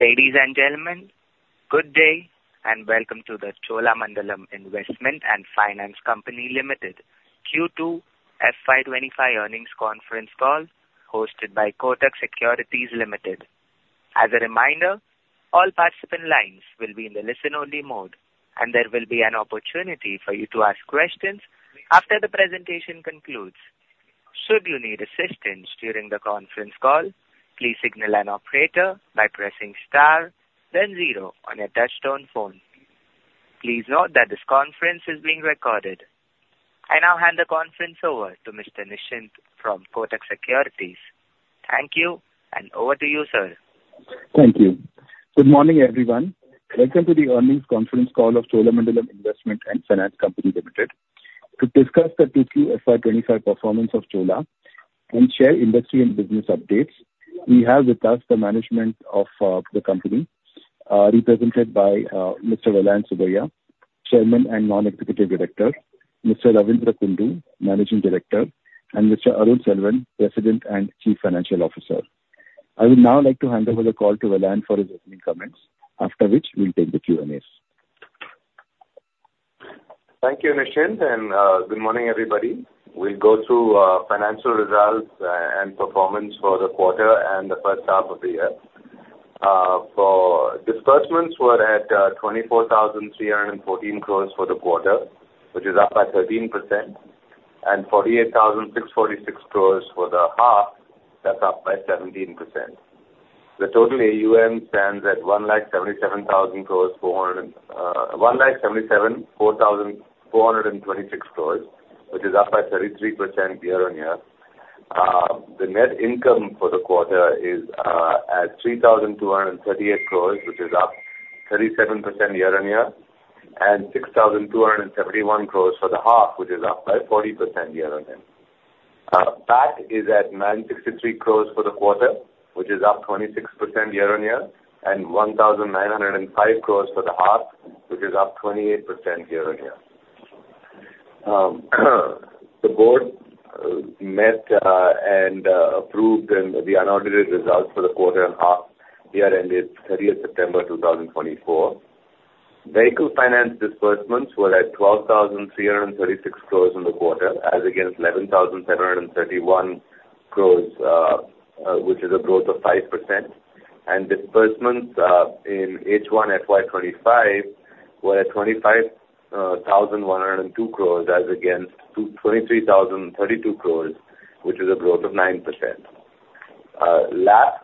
Ladies and gentlemen, good day, and welcome to the Cholamandalam Investment and Finance Company Limited Q2 FY twenty-five earnings conference call hosted by Kotak Securities Limited. As a reminder, all participant lines will be in the listen-only mode, and there will be an opportunity for you to ask questions after the presentation concludes. Should you need assistance during the conference call, please signal an operator by pressing star then zero on your touchtone phone. Please note that this conference is being recorded. I now hand the conference over to Mr. Nischint from Kotak Securities. Thank you, and over to you, sir. Thank you. Good morning, everyone. Welcome to the earnings conference call of Cholamandalam Investment and Finance Company Limited. To discuss the Q2 FY twenty-five performance of Chola and share industry and business updates, we have with us the management of the company, represented by Mr. Vellayan Subbiah, Chairman and Non-Executive Director, Mr. Ravindra Kundu, Managing Director, and Mr. Arulselvan, President and Chief Financial Officer. I would now like to hand over the call to Vellayan for his opening comments, after which we'll take the Q&As. Thank you, Nischint, and good morning, everybody. We'll go through financial results and performance for the quarter and the first half of the year. For disbursements were at 24,314 crores for the quarter, which is up by 13%, and 48,646 crores for the half, that's up by 17%. The total AUM stands at 1,77,426 crores, which is up by 33% year-on-year. The net income for the quarter is at 3,238 crores, which is up 37% year-on-year, and 6,271 crores for the half, which is up by 40% year-on-year. PAT is at 963 crores for the quarter, which is up 26% year-on-year, and 1,905 crores for the half, which is up 28% year-on-year. The board met and approved the unaudited results for the quarter and half year ended 30th September 2024. Vehicle finance disbursements were at 12,336 crores in the quarter, as against 11,731 crores, which is a growth of 5%, and disbursements in H1 FY25 were at 25,102 crores, as against 23,032 crores, which is a growth of 9%. LAP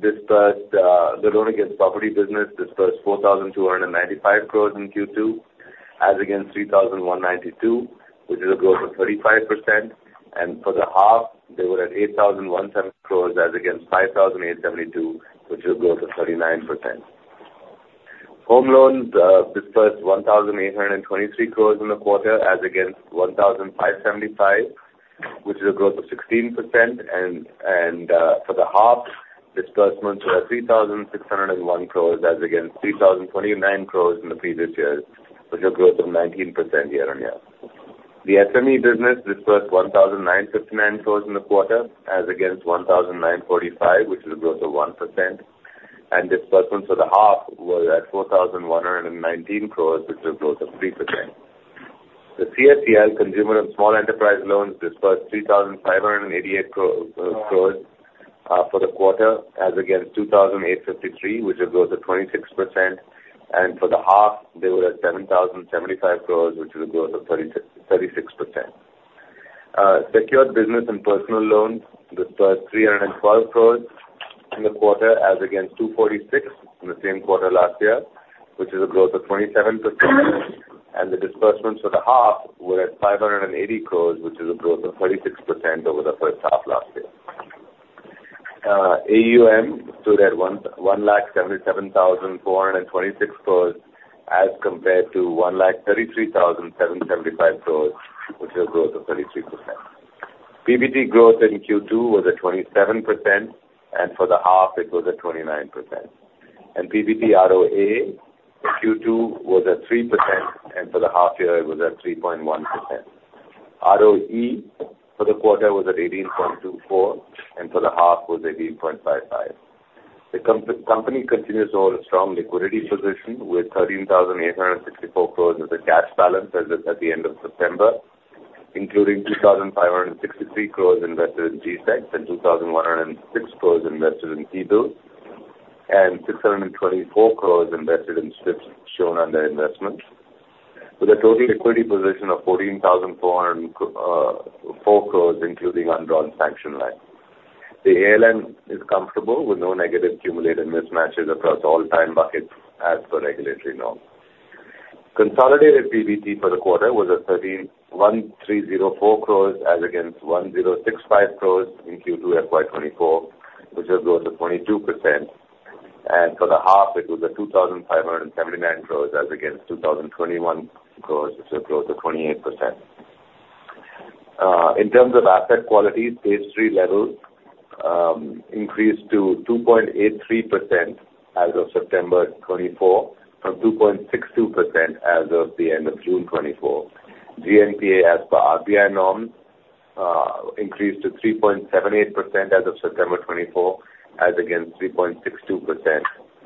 disbursed, the loan against property business disbursed 4,295 crores in Q2, as against 3,192, which is a growth of 35%. For the half, they were at 8,170 crores as against 5,872, which is a growth of 39%. Home loans disbursed 1,823 crores in the quarter, as against 1,575, which is a growth of 16%. For the half, disbursements were at 3,601 crores, as against 3,029 crores in the previous years, which is a growth of 19% year-on-year. The SME business disbursed 1,959 crores in the quarter, as against 1,945, which is a growth of 1%. And disbursements for the half were at 4,119 crores, which is a growth of 3%. The CSEL consumer and small enterprise loans dispersed 3,588 crores for the quarter, as against 2,853, which is a growth of 26%. And for the half, they were at 7,075 crores, which is a growth of 36%. Secured business and personal loans dispersed 312 crores in the quarter, as against 246 in the same quarter last year, which is a growth of 27%. And the disbursements for the half were at 580 crores, which is a growth of 36% over the first half last year. AUM stood at one lakh seventy-seven thousand four hundred and twenty-six crores as compared to one lakh thirty-three thousand seven hundred seventy-five crores, which is a growth of 33%. PBT growth in Q2 was at 27%, and for the half, it was at 29%. PBT ROA in Q2 was at 3%, and for the half year, it was at 3.1%. ROE for the quarter was at 18.24, and for the half was at 18.55. The company continues to hold a strong liquidity position, with thirteen thousand eight hundred and sixty-four crores as the cash balance as at the end of September, including two thousand five hundred and sixty-three crores invested in G-Secs, and two thousand one hundred and six crores invested in T-Bills, and six hundred and twenty-four crores invested in STRIPS shown under investments, with a total equity position of fourteen thousand four and four crores, including undrawn sanction line. The ALM is comfortable with no negative accumulated mismatches across all time buckets as per regulatory norm. Consolidated PBT for the quarter was at thirty-one three zero four crores, as against one zero six five crores in Q2 FY 2024, which is a growth of 22%. And for the half, it was at 2,579 crore as against 2,021 crore, which is a growth of 28%. In terms of asset quality, Stage 3 levels increased to 2.83% as of September 2024, from 2.62% as of the end of June 2024. GNPA as per RBI norms increased to 3.78% as of September 2024, as against 3.62%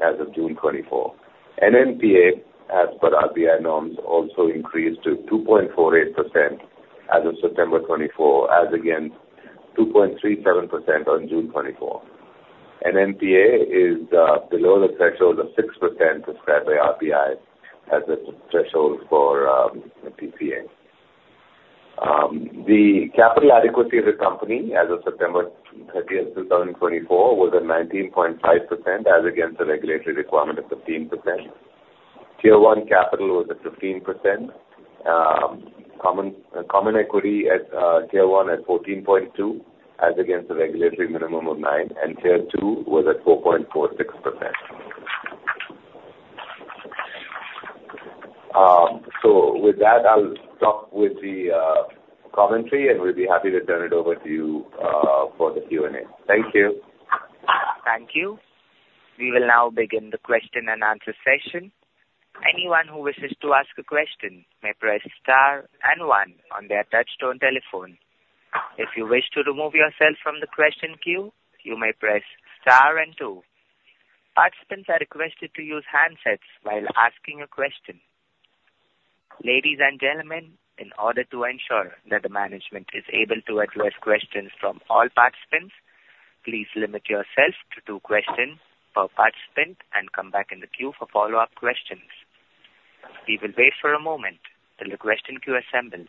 as of June 2024. NNPA, as per RBI norms, also increased to 2.48% as of September 2024, as against 2.37% on June 2024. NNPA is below the threshold of 6% described by RBI as the threshold for NPA. The capital adequacy of the company as of September thirtieth, two thousand and twenty-four, was at 19.5% as against the regulatory requirement of 15%. Tier 1 capital was at 15%, common equity Tier 1 at 14.2%, as against the regulatory minimum of 9%, and Tier 2 was at 4.46%. So with that, I'll stop with the commentary, and we'll be happy to turn it over to you for the Q&A. Thank you. Thank you. We will now begin the question and answer session. Anyone who wishes to ask a question may press star and one on their touchtone telephone. If you wish to remove yourself from the question queue, you may press star and two. Participants are requested to use handsets while asking a question. Ladies and gentlemen, in order to ensure that the management is able to address questions from all participants, please limit yourself to two questions per participant and come back in the queue for follow-up questions. We will wait for a moment till the question queue assembles.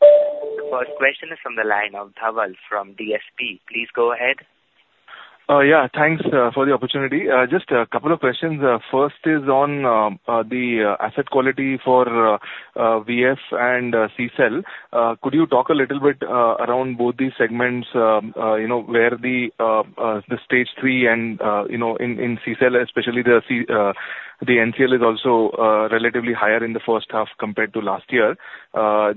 The first question is from the line of Dhaval from DSP. Please go ahead. Yeah, thanks for the opportunity. Just a couple of questions. First is on the asset quality for VF and CSEL. Could you talk a little bit around both these segments, you know, where the stage three and, you know, in CSEL, especially the NCL is also relatively higher in the first half compared to last year.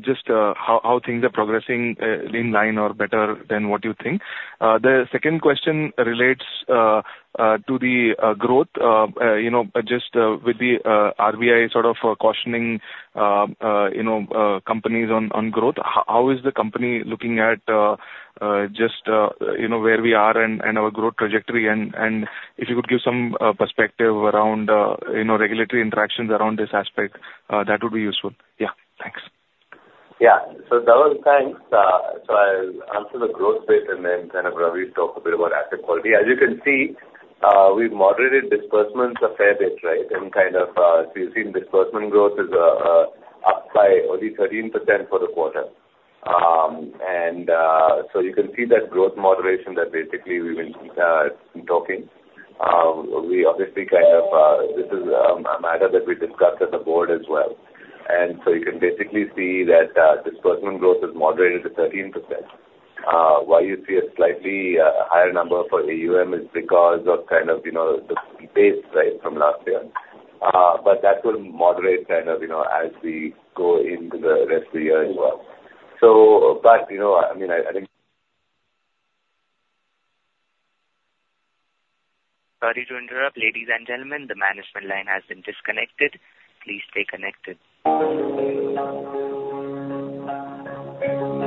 Just how things are progressing in line or better than what you think? The second question relates to the growth, you know, just with the RBI sort of cautioning, you know, companies on growth, how is the company looking at just, you know, where we are and our growth trajectory? If you could give some perspective around, you know, regulatory interactions around this aspect, that would be useful. Yeah. Thanks. Yeah. So Dhaval, thanks. So I'll answer the growth bit, and then kind of Ravi, talk a bit about asset quality. As you can see, we've moderated disbursements a fair bit, right? And kind of, so you've seen disbursement growth is up by only 13% for the quarter. And so you can see that growth moderation that basically we've been talking. We obviously kind of, this is a matter that we discussed as a board as well. And so you can basically see that, disbursement growth is moderated to 13%. Why you see a slightly higher number for AUM is because of kind of, you know, the base, right, from last year. But that will moderate kind of, you know, as we go into the rest of the year as well. You know, I mean, I think- Sorry to interrupt. Ladies and gentlemen, the management line has been disconnected. Please stay connected. The management line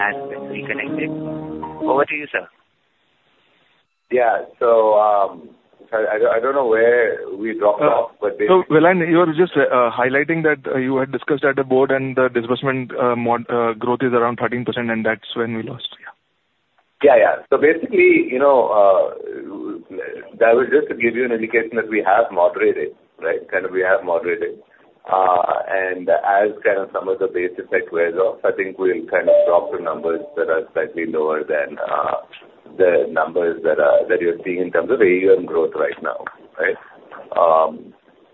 has been reconnected. Over to you, sir. Yeah. So, sorry, I don't know where we dropped off, but- So, Milan, you were just highlighting that you had discussed at the board and the disbursement growth is around 13%, and that's when we lost you. Yeah, yeah. So basically, you know, that was just to give you an indication that we have moderated, right? Kind of we have moderated. And as kind of some of the base effect wears off, I think we'll kind of drop the numbers that are slightly lower than the numbers that you're seeing in terms of AUM growth right now, right?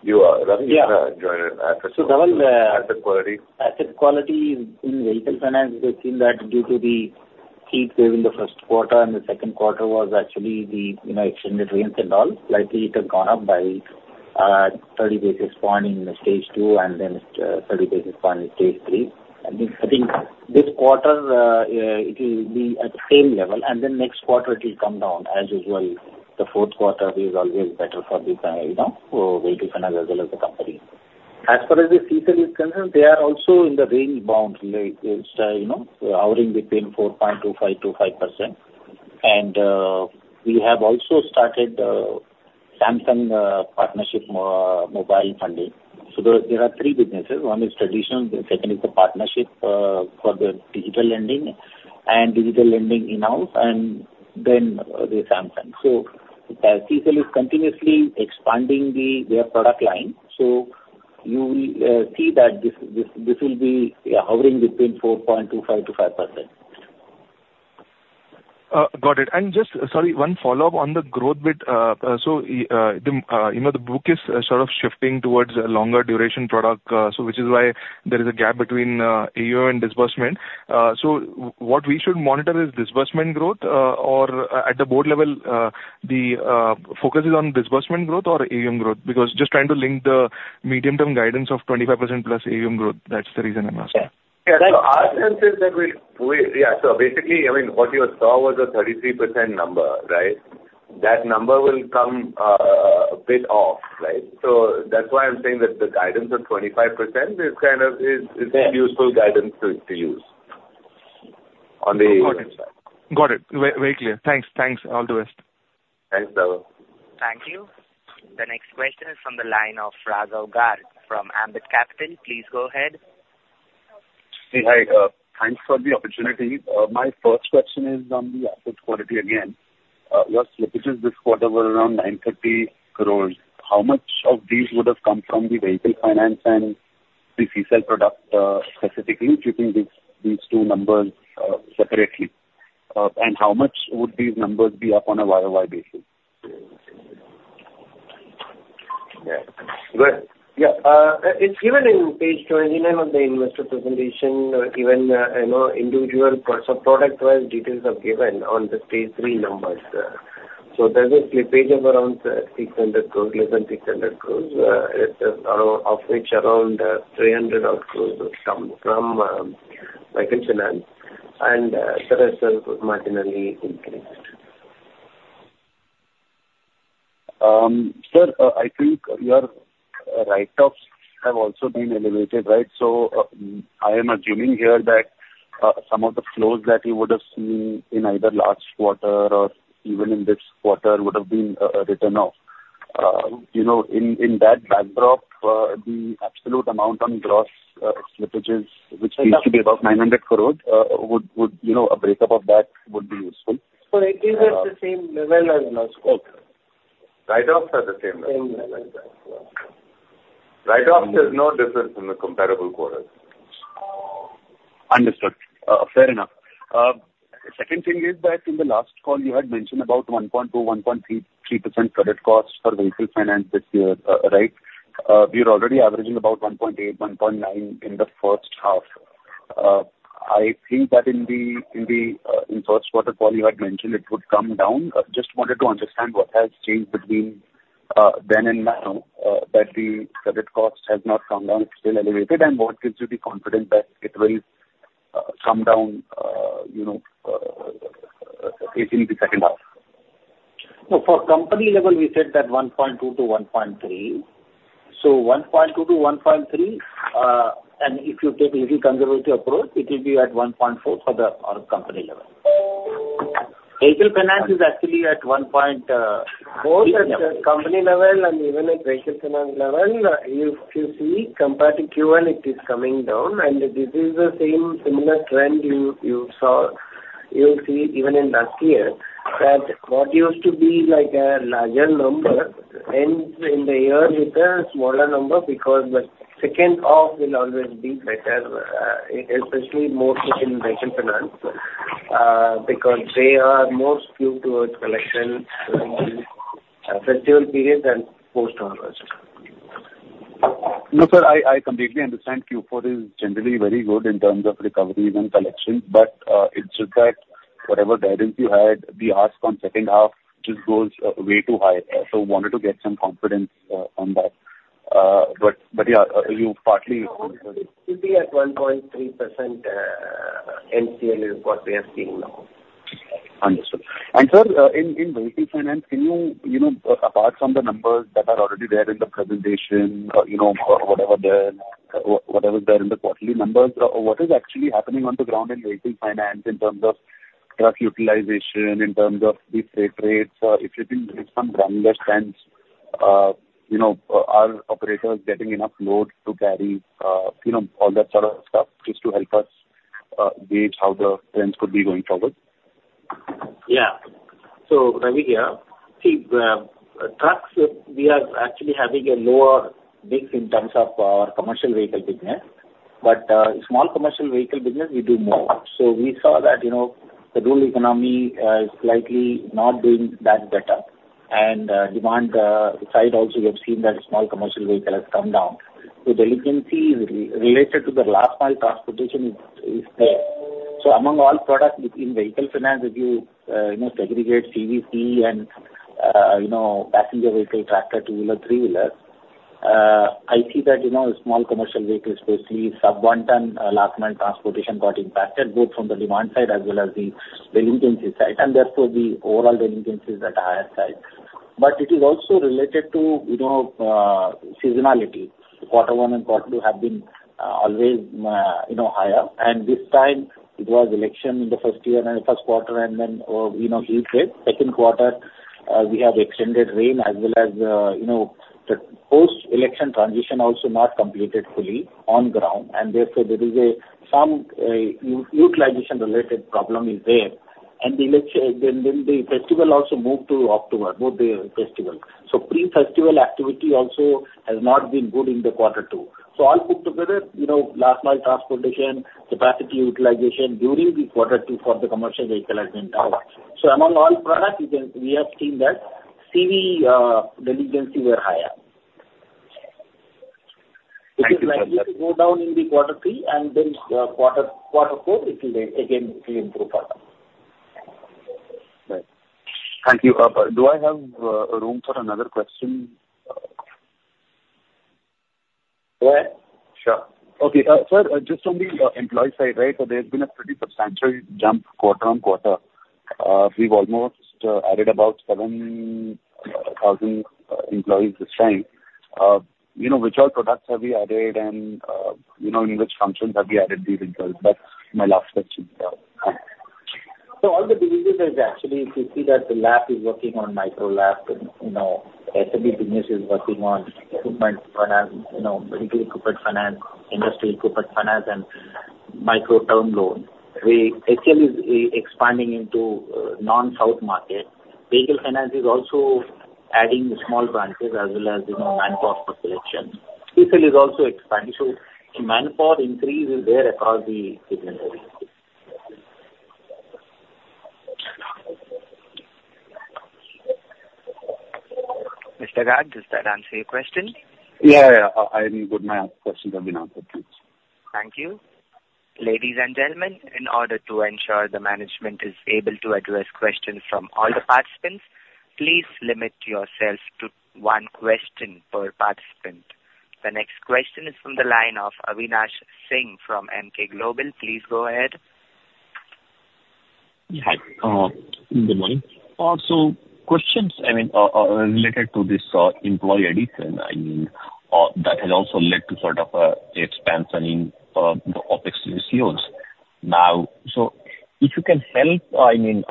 You are... Ravi? Yeah. Go ahead, asset quality. Asset quality in vehicle finance, we've seen that due to the heat wave in the first quarter and the second quarter was actually the, you know, extended rains and all, slightly it had gone up by thirty basis points in the Stage 2 and then thirty basis points in Stage 3. I mean, I think this quarter it will be at the same level, and then next quarter it will come down. As usual, the fourth quarter is always better for the, you know, vehicle finance as well as the company. As far as the CSEL is concerned, they are also range bound, like, you know, hovering between 4.25% to 5%. We have also started Samsung partnership for mobile funding. So there are three businesses. One is traditional, the second is the partnership for the digital lending and digital lending in-house, and then the Samsung. So CSEL is continuously expanding their product line, so you will see that this will be, yeah, hovering between 4.25%-5%.... Got it. And just, sorry, one follow-up on the growth bit. So, you know, the book is sort of shifting towards a longer duration product, so which is why there is a gap between AUM and disbursement. So what we should monitor is disbursement growth, or, at the board level, the focus is on disbursement growth or AUM growth? Because just trying to link the medium-term guidance of 25% plus AUM growth. That's the reason I'm asking. Yeah. So our sense is that we. Yeah, so basically, I mean, what you saw was a 33% number, right? That number will come a bit off, right? So that's why I'm saying that the guidance of 25% is kind of a useful guidance to use on the AUM side. Got it. Got it. Very, very clear. Thanks. Thanks, all the best. Thanks, Dhaval. Thank you. The next question is from the line of Raghav Garg from Ambit Capital. Please go ahead. Hey, hi. Thanks for the opportunity. My first question is on the asset quality again. Your slippages this quarter were around 930 crores. How much of these would have come from the vehicle finance and the C cell product, specifically, if you can give these two numbers separately? And how much would these numbers be up on a YOY basis? Yeah. Good. Yeah, it's given in page twenty-nine of the investor presentation. Even, you know, individual product sub-product wise details are given on the page three numbers. So there's a slippage of around 600 crores, less than 600 crores, it's around, of which around 300 odd crores would come from vehicle finance. And the rest are marginally increased. Sir, I think your write-offs have also been elevated, right? So, I am assuming here that some of the flows that you would have seen in either last quarter or even in this quarter would have been written off. You know, in that backdrop, the absolute amount on gross slippages, which seems to be about 900 crores, would... You know, a breakup of that would be useful. It is at the same level as in our scope. Okay. Write-offs are the same level. Same level, yeah. Write-offs, there's no difference in the comparable quarters. Understood. Fair enough. Second thing is that in the last call, you had mentioned about 1.2, 1.3, 3% credit cost for vehicle finance this year, right? We are already averaging about 1.8, 1.9 in the first half. I think that in the first quarter call, you had mentioned it would come down. I just wanted to understand what has changed between then and now, that the credit cost has not come down, it's still elevated, and what gives you the confidence that it will come down, you know, into the second half? No, for company level, we said that 1.2-1.3. So 1.2-1.3, and if you take a little conservative approach, it will be at 1.4 for our company level. Vehicle finance is actually at one point, Both at the company level and even at vehicle finance level, if you see compared to Q1, it is coming down, and this is the same similar trend you saw, you will see even in last year, that what used to be like a larger number, ends in the year with a smaller number, because the second half will always be better, especially more so in vehicle finance, because they are more skewed towards collection, festival period and post onwards. No, sir, I completely understand. Q4 is generally very good in terms of recoveries and collection, but it's just that whatever guidance you had, the ask on second half just goes way too high. So wanted to get some confidence on that. But, yeah, you partly... It will be at 1.3%, NCL is what we are seeing now. Understood. And sir, in vehicle finance, can you, you know, apart from the numbers that are already there in the presentation, you know, whatever is there in the quarterly numbers, what is actually happening on the ground in vehicle finance in terms of truck utilization, in terms of the freight rates? If you can give some ground up trends, you know, are operators getting enough load to carry, you know, all that sort of stuff, just to help us gauge how the trends could be going forward? Yeah. So, Ravi here. See, trucks, we are actually having a lower mix in terms of our commercial vehicle business, but, small commercial vehicle business, we do more. So we saw that, you know, the rural economy is slightly not doing that better. And, demand side also, we have seen that small commercial vehicle has come down. So delinquency related to the last mile transportation is there. So among all products within vehicle finance, if you, you know, segregate CVC and, you know, passenger vehicle, tractor, two-wheeler, three-wheeler, I see that, you know, small commercial vehicles, especially sub-one ton, last mile transportation got impacted, both from the demand side as well as the delinquency side, and therefore, the overall delinquencies at a higher side. But it is also related to, you know, seasonality. Quarter one and quarter two have been always, you know, higher. And this time, it was election in the first quarter, and then, you know, heat wave. Second quarter, we have extended rain as well as, you know, the post-election transition also not completed fully on ground, and therefore, there is some utilization related problem is there. And the election. Then the festival also moved to October, both the festival. So pre-festival activity also has not been good in the quarter two. So all put together, you know, last mile transportation, capacity utilization during the quarter two for the commercial vehicle has been down. So among all products, we have seen that CV, delinquencies were higher. Thank you, sir. It is likely to go down in the quarter three, and then quarter four, it will again improve further. Right. Thank you. Do I have room for another question? Go ahead. Sure. Okay, sir, just on the employee side, right? So there's been a pretty substantial jump quarter on quarter. We've almost added about seven thousand employees this time. You know, which all products have you added and, you know, in which functions have you added these individuals? That's my last question. All the businesses is actually, if you see that the LAP is working on Micro LAP, and, you know, SME business is working on equipment finance, you know, vehicle equipment finance, industrial equipment finance, and micro term loans. We HLL is expanding into Non-South market. Vehicle finance is also adding small branches as well as, you know, manpower for collection. LAP is also expanding, so manpower increase is there across the business. Mr. Garg, does that answer your question? Yeah, yeah. I'm good. My questions have been answered. Thanks. Thank you. Ladies and gentlemen, in order to ensure the management is able to address questions from all the participants, please limit yourselves to one question per participant. The next question is from the line of Avinash Singh from Emkay Global. Please go ahead. Yeah. Hi, good morning. So questions, I mean, related to this employee addition, I mean, that has also led to sort of the expansion in, you know, OpEx in sales. Now, so if you can help, I mean,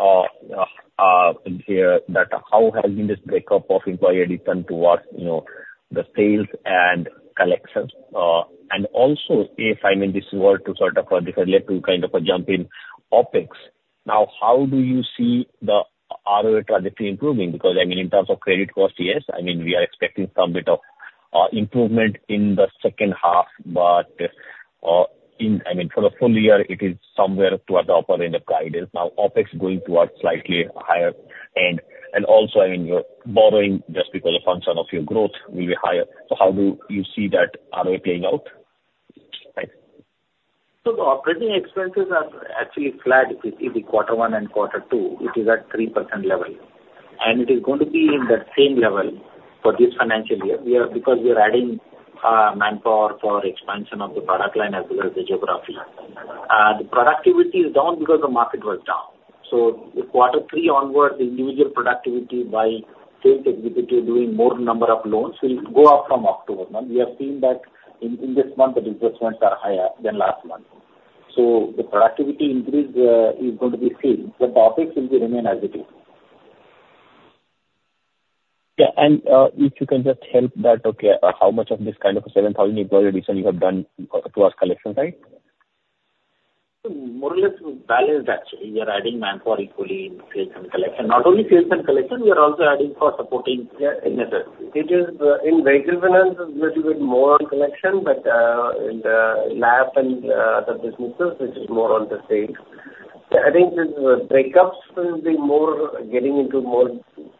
in here, that how has been this breakup of employee addition towards, you know, the sales and collections? And also, if, I mean, this were to sort of this led to kind of a jump in OpEx. Now, how do you see the ROA trajectory improving? Because, I mean, in terms of credit cost, yes, I mean, we are expecting some bit of improvement in the second half, but, in, I mean, for the full year, it is somewhere towards the upper end of guidance. Now, OpEx going towards slightly higher, and also, I mean, your borrowing, just because a function of your growth, will be higher. So how do you see that ROA playing out? Thanks. So the operating expenses are actually flat. If you see the quarter one and quarter two, it is at 3% level, and it is going to be in that same level for this financial year. Because we are adding manpower for expansion of the product line as well as the geography. The productivity is down because the market was down. So with quarter three onwards, the individual productivity by sales executive doing more number of loans will go up from October month. We have seen that in this month, the disbursements are higher than last month. So the productivity increase is going to be same, but OpEx will remain as it is. Yeah, and if you can just help that, okay, how much of this kind of a seven thousand employee addition you have done towards collection side? More or less balanced, actually. We are adding manpower equally in sales and collection. Not only sales and collection, we are also adding for supporting. Yeah. It is in vehicle finance little bit more on collection, but in the LAP and other businesses, it is more on the sales. I think this breakups will be more getting into more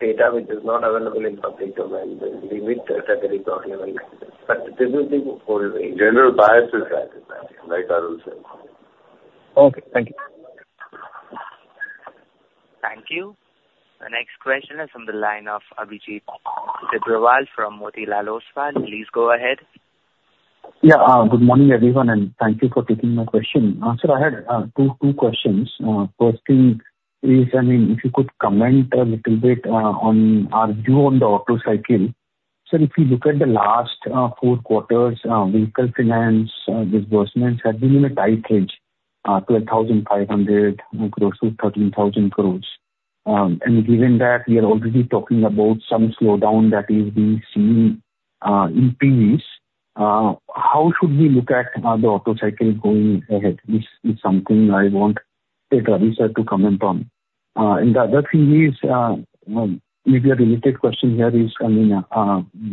data, which is not available in public domain at the category level. But this is the whole range. General bias is that, like Arun said. Okay, thank you. Thank you. The next question is from the line of Abhijit Tibrewal from Motilal Oswal. Please go ahead. Yeah. Good morning, everyone, and thank you for taking my question. Sir, I had two, two questions. First thing is, I mean, if you could comment a little bit on our view on the auto cycle. Sir, if you look at the last four quarters, vehicle finance disbursements have been in a tight range, 12,500 close to 13,000 crores. And given that we are already talking about some slowdown that is being seen in T&Vs, how should we look at the auto cycle going ahead? This is something I want Ravi, sir to comment on. And the other thing is, maybe a related question here is, I mean,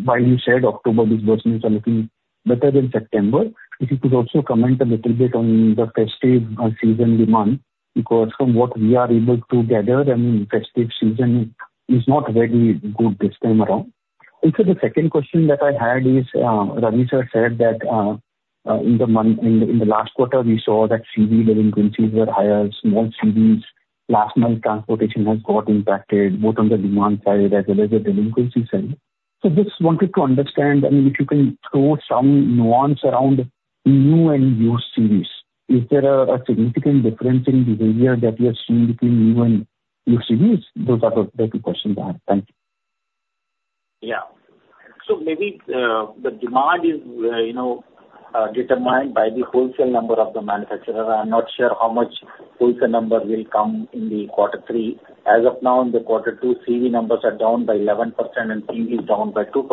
while you said October disbursements are looking better than September, if you could also comment a little bit on the festive season demand, because from what we are able to gather, I mean, festive season is not very good this time around. Also, the second question that I had is, Ravi, sir, said that, in the last quarter, we saw that CV delinquencies were higher. Small CVs, last mile transportation has got impacted, both on the demand side as well as the delinquency side. So just wanted to understand, I mean, if you can throw some nuance around new and used CVs. Is there a significant difference in behavior that you are seeing between new and used CVs? Those are the two questions I have. Thank you. Yeah. So maybe, the demand is, you know, determined by the wholesale number of the manufacturer. I'm not sure how much wholesale number will come in the quarter three. As of now, in the quarter two, CV numbers are down by 11%, and TV is down by 2%.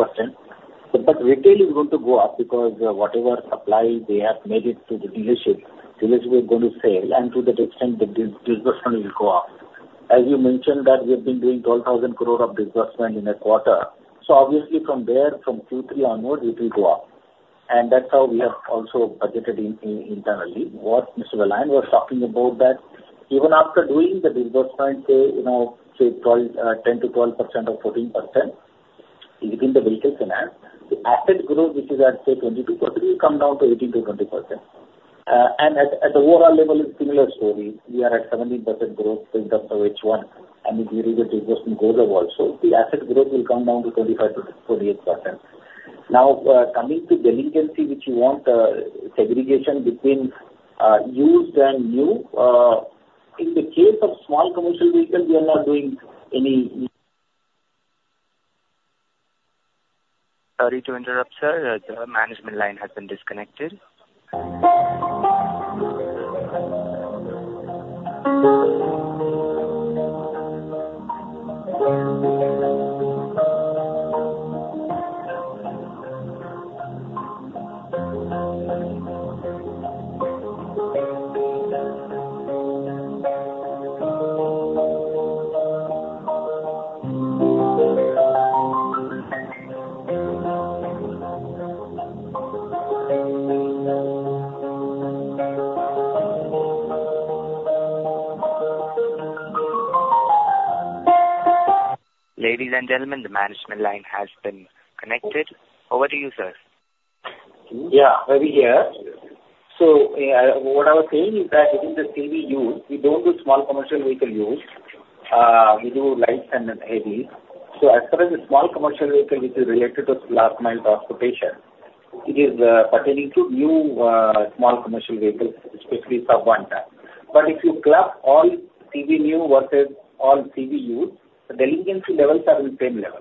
But retail is going to go up because whatever supply they have made it to the dealership, dealers were going to sell, and to that extent, the disbursement will go up. As you mentioned that we have been doing 12,000 crore of disbursement in a quarter, so obviously from there, from Q3 onwards, it will go up. And that's how we have also budgeted in internally. What Mr. Vellayan was talking about that even after doing the disbursement, say, you know, say 12, 10-12% or 14% within the vehicle finance, the asset growth, which is at, say, 22%, will come down to 18-20%. And at the overall level, it's similar story. We are at 17% growth in terms of H1, and if you do the disbursement growth of also, the asset growth will come down to 25-48%. Now, coming to delinquency, which you want, segregation between used and new, in the case of small commercial vehicle, we are not doing any- Sorry to interrupt, sir. The management line has been disconnected. Ladies and gentlemen, the management line has been connected. Over to you, sir. Yeah, we're here. So, what I was saying is that within the CV used, we don't do small commercial vehicle used. We do lights and then heavies. So as far as the small commercial vehicle, which is related to last mile transportation, it is pertaining to new small commercial vehicles, especially sub-one ton. But if you club all CV new versus all CV used, the delinquency levels are in the same level.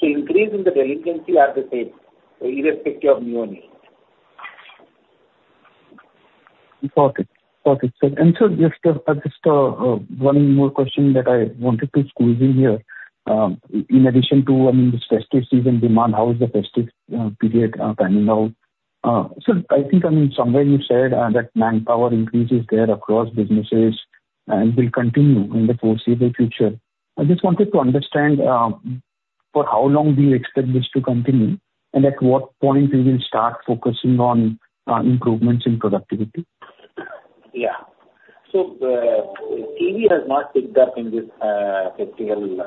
So increase in the delinquency are the same, irrespective of new or used. Got it. Got it, sir. And sir, just, just, one more question that I wanted to squeeze in here. In addition to, I mean, this festive season demand, how is the festive period panning out? So I think, I mean, somewhere you said, that manpower increases there across businesses and will continue in the foreseeable future. I just wanted to understand, for how long do you expect this to continue, and at what point you will start focusing on, improvements in productivity? Yeah. So, CV has not picked up in this festival.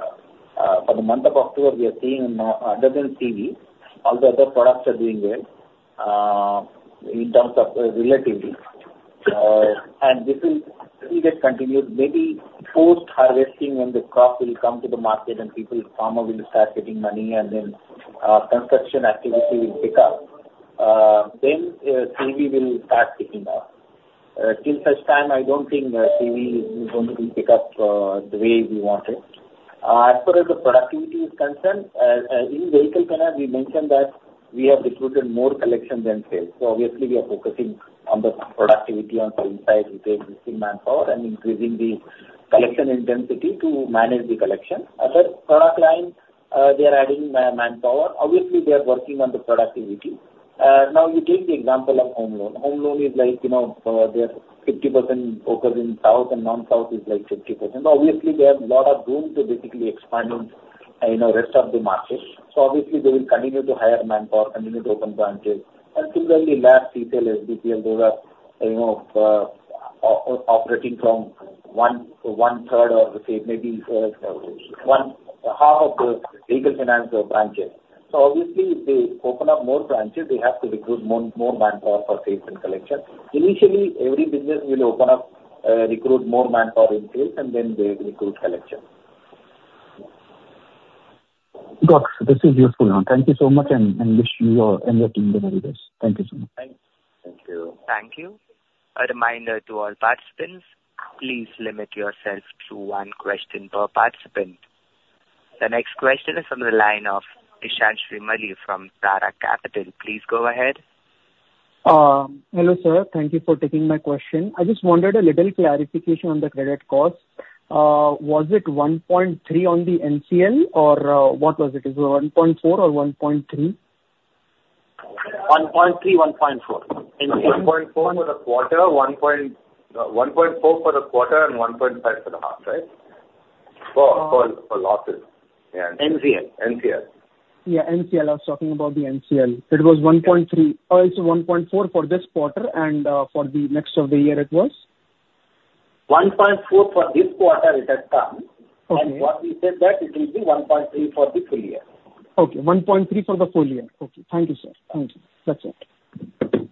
For the month of October, we are seeing other than CV, all the other products are doing well in terms of relatively. And this will still get continued maybe post-harvesting when the crop will come to the market and people, farmer will start getting money and then construction activity will pick up, then CV will start picking up. Till such time, I don't think CV is going to be pick up the way we want it. As far as the productivity is concerned in vehicle finance, we mentioned that we have recruited more collection than sales. So obviously, we are focusing on the productivity on front side, which is in manpower and increasing the collection intensity to manage the collection. Other product line, they are adding manpower. Obviously, they are working on the productivity. Now, you take the example of home loan. Home loan is like, you know, they are 50% focused in South, and Non-South is like 50%. Obviously, they have a lot of room to basically expand in, you know, rest of the markets. So obviously, they will continue to hire manpower, continue to open branches, and similarly, LAP retail SBPL, those are, you know, operating from one third of the one half of the vehicle finance branches. So obviously, if they open up more branches, they have to recruit more manpower for sales and collection. Initially, every business will open up, recruit more manpower in sales, and then they recruit collection. Got it. This is useful now. Thank you so much, and wish you and your team the very best. Thank you so much. Thank you. Thank you. A reminder to all participants, please limit yourself to one question per participant. The next question is from the line of Ishan Shrimali from Tara Capital. Please go ahead. Hello, sir. Thank you for taking my question. I just wanted a little clarification on the credit cost. Was it 1.3 on the NCL, or what was it? Is it 1.4 or 1.3? 1.3, 1.4. NCL. 1.4 for the quarter and 1.5 for the half, right? For losses. NCL. NCL. Yeah, NCL. I was talking about the NCL. It was one point three, it's one point four for this quarter, and, for the next of the year, it was? 1.4 for this quarter. It has come. Okay. What we said that it will be one point three for the full year. Okay. One point three for the full year. Okay. Thank you, sir. Thank you. That's it.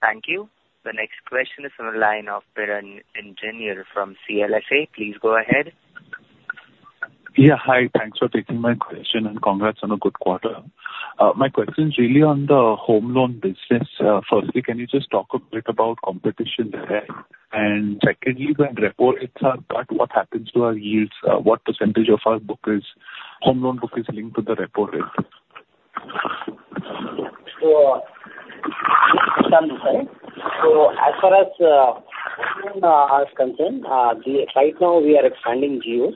Thank you. The next question is from the line of Piran Engineer from CLSA. Please go ahead. Yeah, hi. Thanks for taking my question, and congrats on a good quarter. My question is really on the home loan business. Firstly, can you just talk a bit about competition there? And secondly, when repo rates are cut, what happens to our yields? What percentage of our home loan book is linked with the repo rate? So as far as home loan is concerned, right now we are expanding GEOs,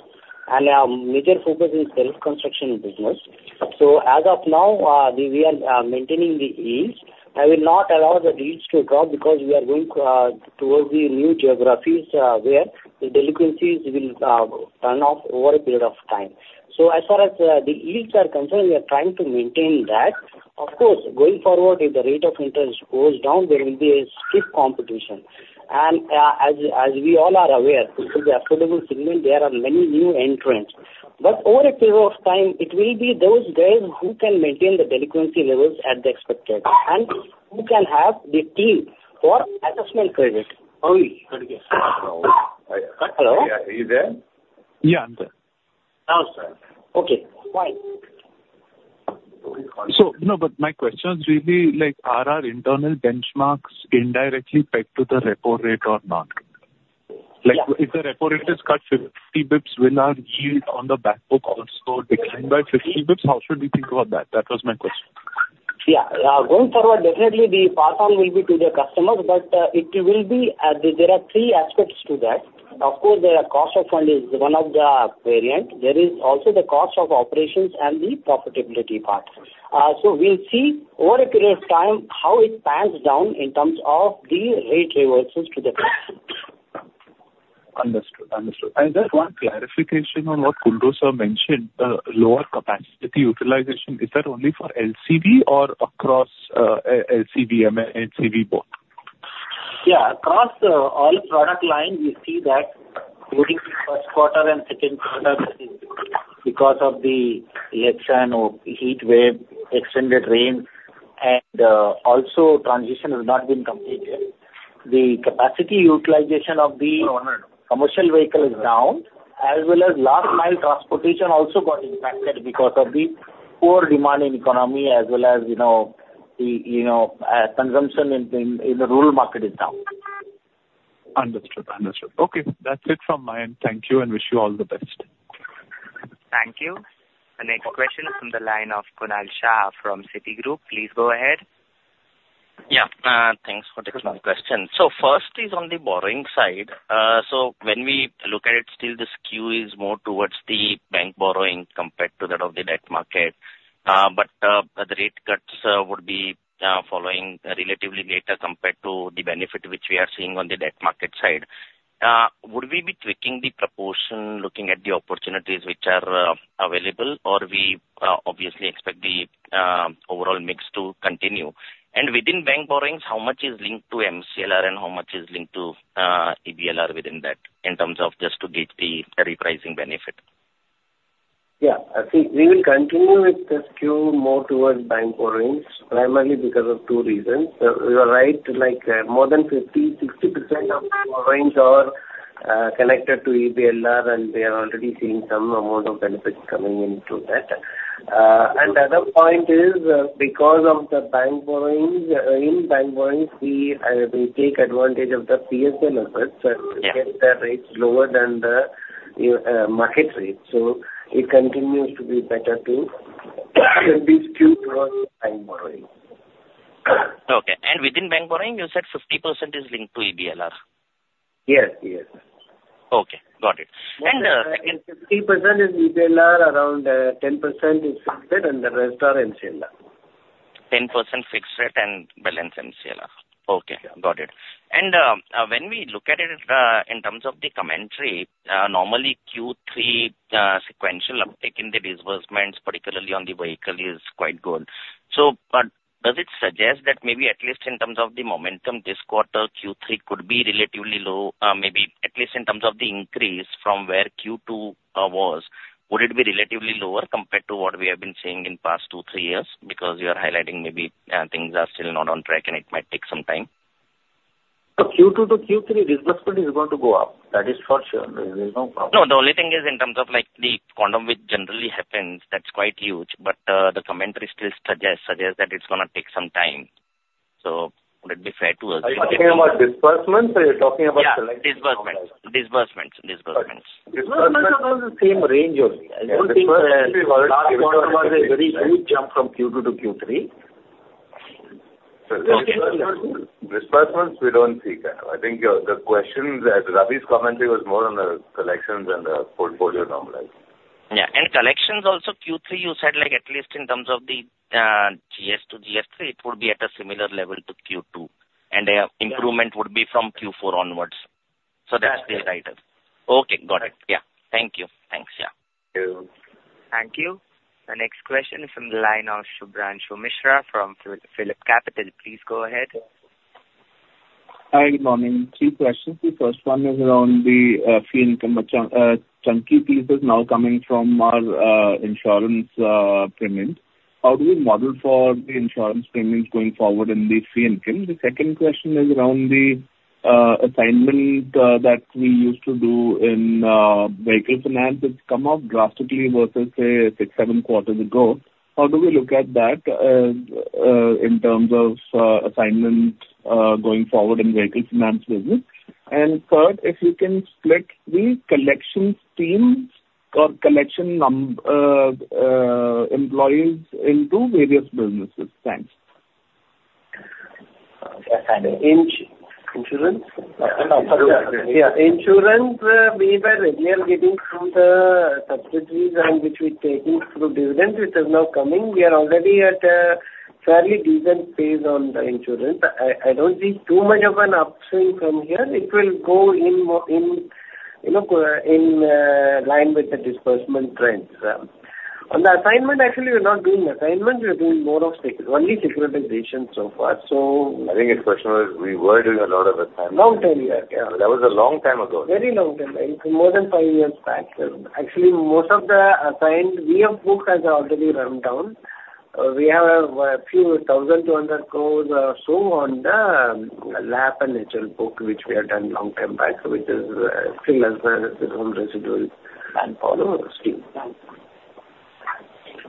and our major focus is the rural construction business. So as of now, we are maintaining the yields. I will not allow the yields to drop because we are going towards the new geographies, where the delinquencies will turn up over a period of time. So as far as the yields are concerned, we are trying to maintain that. Of course, going forward, if the rate of interest goes down, there will be a stiff competition. And as we all are aware, in the affordable segment, there are many new entrants. But over a period of time, it will be those guys who can maintain the delinquency levels at the expected, and who can have the team for additional credit. Hello? Yeah, are you there? Yeah, I'm there. Now, sir. Okay, fine. No, but my question is really like, are our internal benchmarks indirectly pegged to the repo rate or not? Like, if the repo rate is cut fifty basis points, will our yield on the back book also decline by fifty basis points? How should we think about that? That was my question. Yeah. Going forward, definitely the pass on will be to the customer, but it will be there are three aspects to that. Of course, there are cost of fund is one of the variant. There is also the cost of operations and the profitability part. So we'll see over a period of time how it pans down in terms of the rate reversals to the customer. Understood. Understood. And just one clarification on what Kundu sir mentioned, lower capacity utilization, is that only for LCV or across, LCV and HCV both? Yeah. Across all product line, we see that including the first quarter and second quarter, because of the election or heat wave, extended rain, and also transition has not been completed. The capacity utilization of the commercial vehicle is down, as well as last mile transportation also got impacted because of the poor demand in economy, as well as, you know, you know, consumption in the rural market is down. Understood. Understood. Okay, that's it from my end. Thank you and wish you all the best. Thank you. The next question is from the line of Kunal Shah from Citigroup. Please go ahead. Yeah. Thanks for taking my question. So first is on the borrowing side. So when we look at it, still the skew is more towards the bank borrowing compared to that of the debt market. But the rate cuts would be following relatively later compared to the benefit which we are seeing on the debt market side. Would we be tweaking the proportion, looking at the opportunities which are available, or we obviously expect the overall mix to continue? And within bank borrowings, how much is linked to MCLR and how much is linked to EBLR within that, in terms of just to get the repricing benefit? Yeah. I think we will continue with the skew more towards bank borrowings, primarily because of two reasons. You are right, like, more than 50-60% of borrowings are connected to EBLR, and we are already seeing some amount of benefit coming into that, and the other point is, because of the bank borrowings, in bank borrowings, we take advantage of the PSL numbers. Yeah -to get the rates lower than the, market rate. So it continues to be better to be skewed towards bank borrowing. Okay. And within bank borrowing, you said 50% is linked to EBLR? Yes. Yes. Okay, got it. And, 50% is EBLR, around 10% is fixed, and the rest are MCLR. 10% fixed rate and balance MCLR. Okay, got it. And, when we look at it, in terms of the commentary, normally Q3, sequential uptake in the disbursements, particularly on the vehicle, is quite good. So but does it suggest that maybe at least in terms of the momentum this quarter, Q3 could be relatively low, maybe at least in terms of the increase from where Q2, was? Would it be relatively lower compared to what we have been seeing in past two, three years? Because you are highlighting maybe, things are still not on track and it might take some time. So Q2 to Q3, disbursement is going to go up. That is for sure. There is no problem. No, the only thing is in terms of like the quantum, which generally happens, that's quite huge, but, the commentary still suggests that it's gonna take some time. So would it be fair to assume- Are you talking about disbursements or you're talking about collections? Yeah, disbursements. Disbursements are about the same range only. I don't think there was a very huge jump from Q2 to Q3. Disbursements, we don't see kind of... I think your question that Ravi's commentary was more on the collections and the portfolio normalization. Yeah, and collections also, Q3, you said, like at least in terms of the Stage 1 to Stage 3, it would be at a similar level to Q2, and the improvement would be from Q4 onwards. Yeah. So that's the writer. Okay, got it. Yeah. Thank you. Thanks. Yeah. Thank you. Thank you. The next question is from the line of Shubhranshu Mishra from PhillipCapital. Please go ahead. Hi, good morning. Three questions. The first one is around the fee income, which chunky piece is now coming from our insurance payments. How do we model for the insurance payments going forward in the fee income? The second question is around the assignment that we used to do in vehicle finance. It's come up drastically versus, say, six, seven quarters ago. How do we look at that in terms of assignments going forward in vehicle finance business? And third, if you can split the collections team or collection employees into various businesses. Thanks.... in insurance? Yeah, insurance, we were regularly getting from the subsidiaries and which we're taking through dividends, which is now coming. We are already at a fairly decent phase on the insurance. I don't see too much of an upswing from here. It will go in more, you know, in line with the disbursement trends. On the assignment, actually, we're not doing assignments, we're doing more of only securitization so far. So- I think his question was, we were doing a lot of assignments. Long time, yeah. That was a long time ago. Very long time, like more than five years back. Actually, most of the assignments we have booked has already ramped down. We have a few thousand, two hundred crores or so on the LAP and HLL book, which we have done long time back, which is still as some residuals and follow scheme.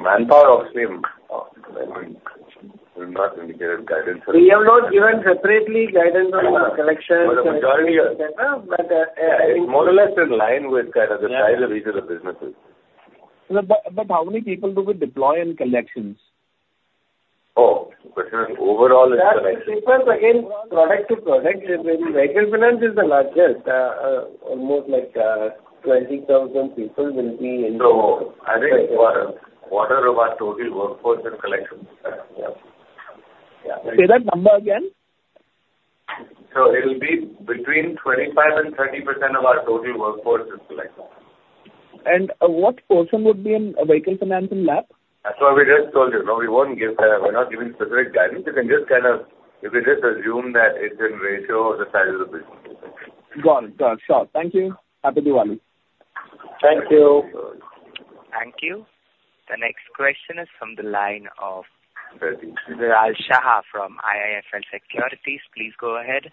Manpower of same will not indicate a guidance. We have not given separately guidance on our collections. But majority are. But, uh, It's more or less in line with kind of the size of each of the businesses. How many people do we deploy in collections? Oh, the question is overall in collections. It depends again, product to product. Vehicle Finance is the largest, almost like, 20,000 people will be in- So I think quarter of our total workforce in collections. Yeah. Say that number again. It'll be between 25% and 30% of our total workforce is collections. What portion would be in vehicle finance and LAP? That's what we just told you. No, we won't give that. We're not giving specific guidance. You can just kind of, you can just assume that it's in ratio of the size of the business. Got it. Got it. Sure. Thank you. Happy Diwali! Thank you. Thank you. The next question is from the line of Raj Shah from IIFL Securities. Please go ahead.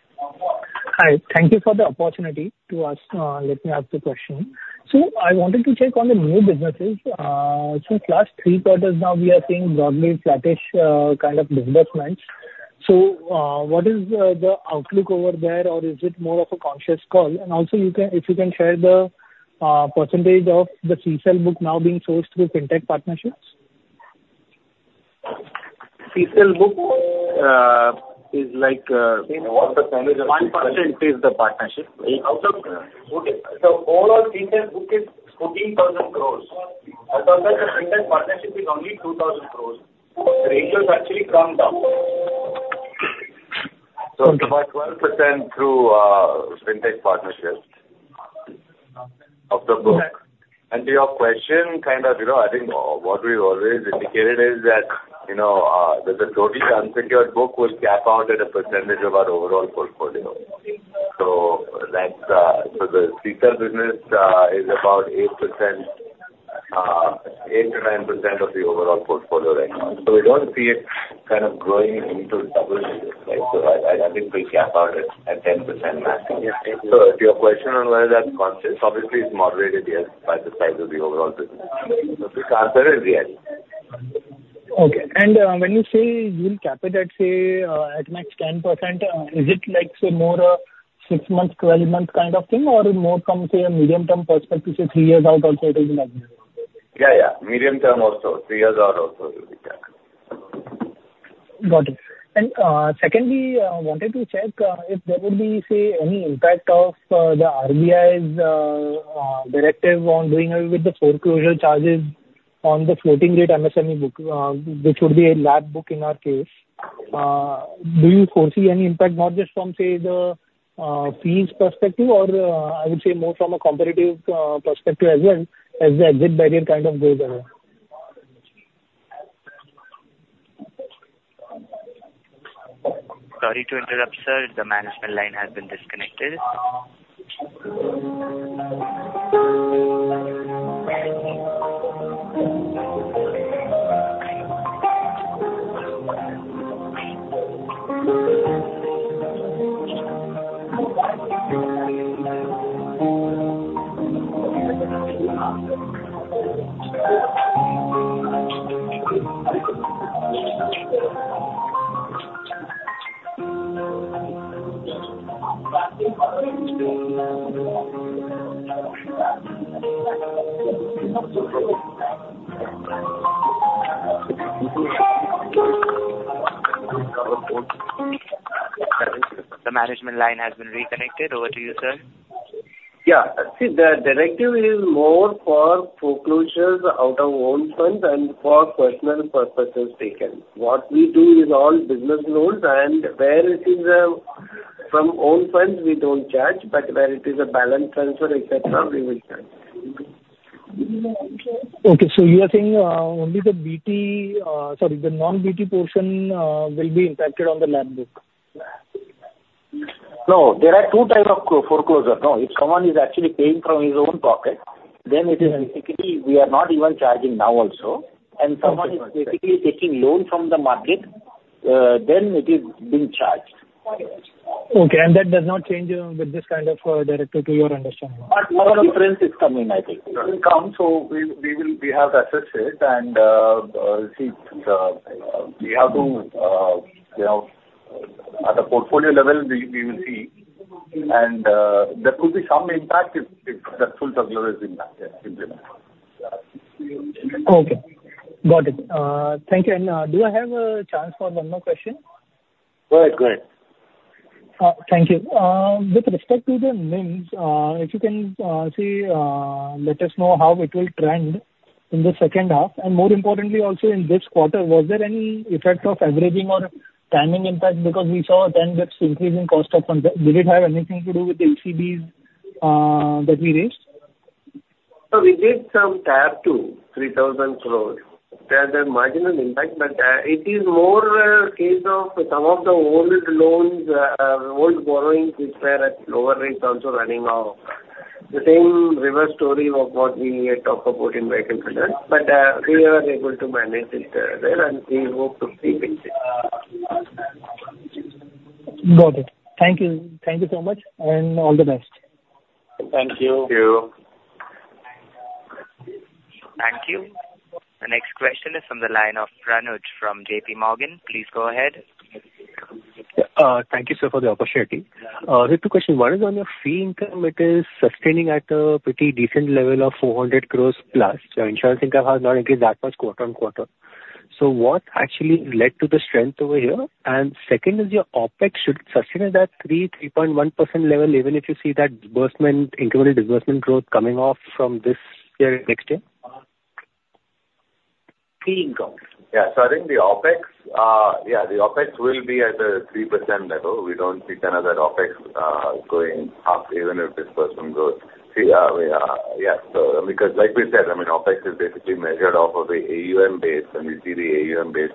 Hi. Thank you for the opportunity to ask, let me ask the question. So I wanted to check on the new businesses. So, last three quarters now, we are seeing broadly flattish, kind of disbursements. So, what is the outlook over there, or is it more of a conscious call? And also, you can... if you can share the percentage of the CSEL book now being sourced through fintech partnerships? CSEL book is like 1% is the partnership. Out of the overall CSEL book is INR 14,000 crores. Out of that, the fintech partnership is only 2,000 crores. The rate has actually come down. About 12% through Fintech Partnerships of the book. Exactly. To your question, kind of, you know, I think what we've always indicated is that, you know, that the total unsecured book will cap out at a percentage of our overall portfolio. So that's the C cell business is about 8%, 8-9% of the overall portfolio right now. So we don't see it kind of growing into double digits, right? So I think we cap out at 10% maximum. Yes, thank you. So to your question on whether that's conscious, obviously, it's moderated, yes, by the size of the overall business. So the answer is, yes. Okay. And, when you say you'll cap it at, say, at max 10%, is it like, say, more a six-month, 12-month kind of thing, or more from, say, a medium-term perspective to three years out? Also it is maximum? Yeah, yeah, medium term also, three years out also it will be capped. Got it. And, secondly, wanted to check if there would be, say, any impact of the RBI's directive on doing away with the foreclosure charges on the floating rate MSME book, which would be a LAP book in our case. Do you foresee any impact, not just from, say, the fees perspective, or, I would say more from a competitive perspective as well, as the exit barrier kind of goes away? Sorry to interrupt, sir. The management line has been disconnected. The management line has been reconnected. Over to you, sir. Yeah. See, the directive is more for foreclosures out of own funds and for personal purposes taken. What we do is all business loans, and where it is from own funds, we don't charge, but where it is a balance transfer, et cetera, we will charge. Okay, so you are saying only the BT, sorry, the non-BT portion, will be impacted on the LAP book? No, there are two type of co-foreclosure, no. If someone is actually paying from his own pocket, then it is basically we are not even charging now also. Okay. Someone is basically taking loan from the market, then it is being charged. Okay, and that does not change with this kind of directive, to your understanding? But more difference is coming, I think. It will come, so we will. We have assessed it, and we have to, you know, at the portfolio level, we will see and there could be some impact if the full foreclosure is impacted, implemented.... Okay. Got it. Thank you. And, do I have a chance for one more question? Go ahead, go ahead. Thank you. With respect to the NIMs, if you can see, let us know how it will trend in the second half, and more importantly, also in this quarter, was there any effect of averaging or timing impact? Because we saw a 10 basis points increase in cost of funds. Did it have anything to do with ECBs that we raised? So we did some tap, 2-3 thousand crores. There's a marginal impact, but it is more a case of some of the old loans, old borrowings, which were at lower rates, also running off. The same reverse story of what we had talked about in vehicle finance. But we are able to manage it, there, and we hope to keep it. Got it. Thank you. Thank you so much, and all the best. Thank you. Thank you. Thank you. The next question is from the line of Pranav from J.P. Morgan. Please go ahead. Thank you, sir, for the opportunity. There are two questions. One is on your fee income. It is sustaining at a pretty decent level of 400 crores plus. Your insurance income has not increased that much quarter on quarter. So what actually led to the strength over here? And second, is your OpEx should sustain at that 3.31% level, even if you see that disbursement, incremental disbursement growth coming off from this year, next year? Fee income. Yeah. So I think the OpEx, yeah, the OpEx will be at the 3% level. We don't see kind of that OpEx, going up even if disbursement grows. See, Yes, so because like we said, I mean, OpEx is basically measured off of the AUM base, and we see the AUM base,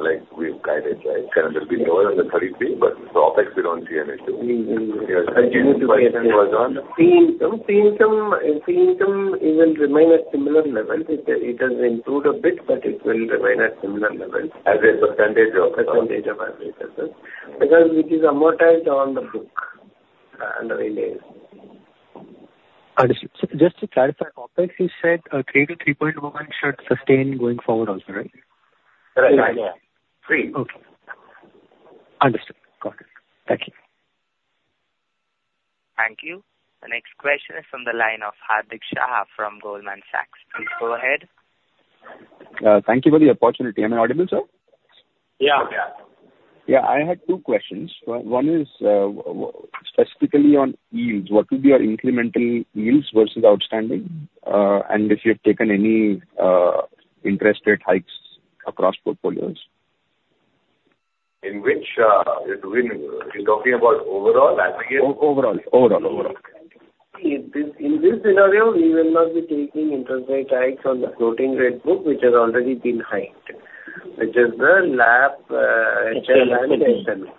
like, we've guided, right? It can be lower than the 33, but for OpEx, we don't see any issue. Mm-hmm.The question was on fee income. Fee income will remain at similar levels. It has improved a bit, but it will remain at similar levels. As a percentage of AUM. Because it is amortized on the books in the in- Understood. So just to clarify, OpEx, you said, three to three point one should sustain going forward also, right? Correct. Three. Okay. Understood. Got it. Thank you. Thank you. The next question is from the line of Hardik Shah from Goldman Sachs. Please go ahead. Thank you for the opportunity. Am I audible, sir? Yeah. Yeah. Yeah, I had two questions. One is, specifically on yields, what will be your incremental yields versus outstanding, and if you've taken any interest rate hikes across portfolios? In which you're doing? You're talking about overall aggregate? Overall. In this scenario, we will not be taking interest rate hikes on the floating rate book, which has already been hiked, which is the LAP, HL and SL.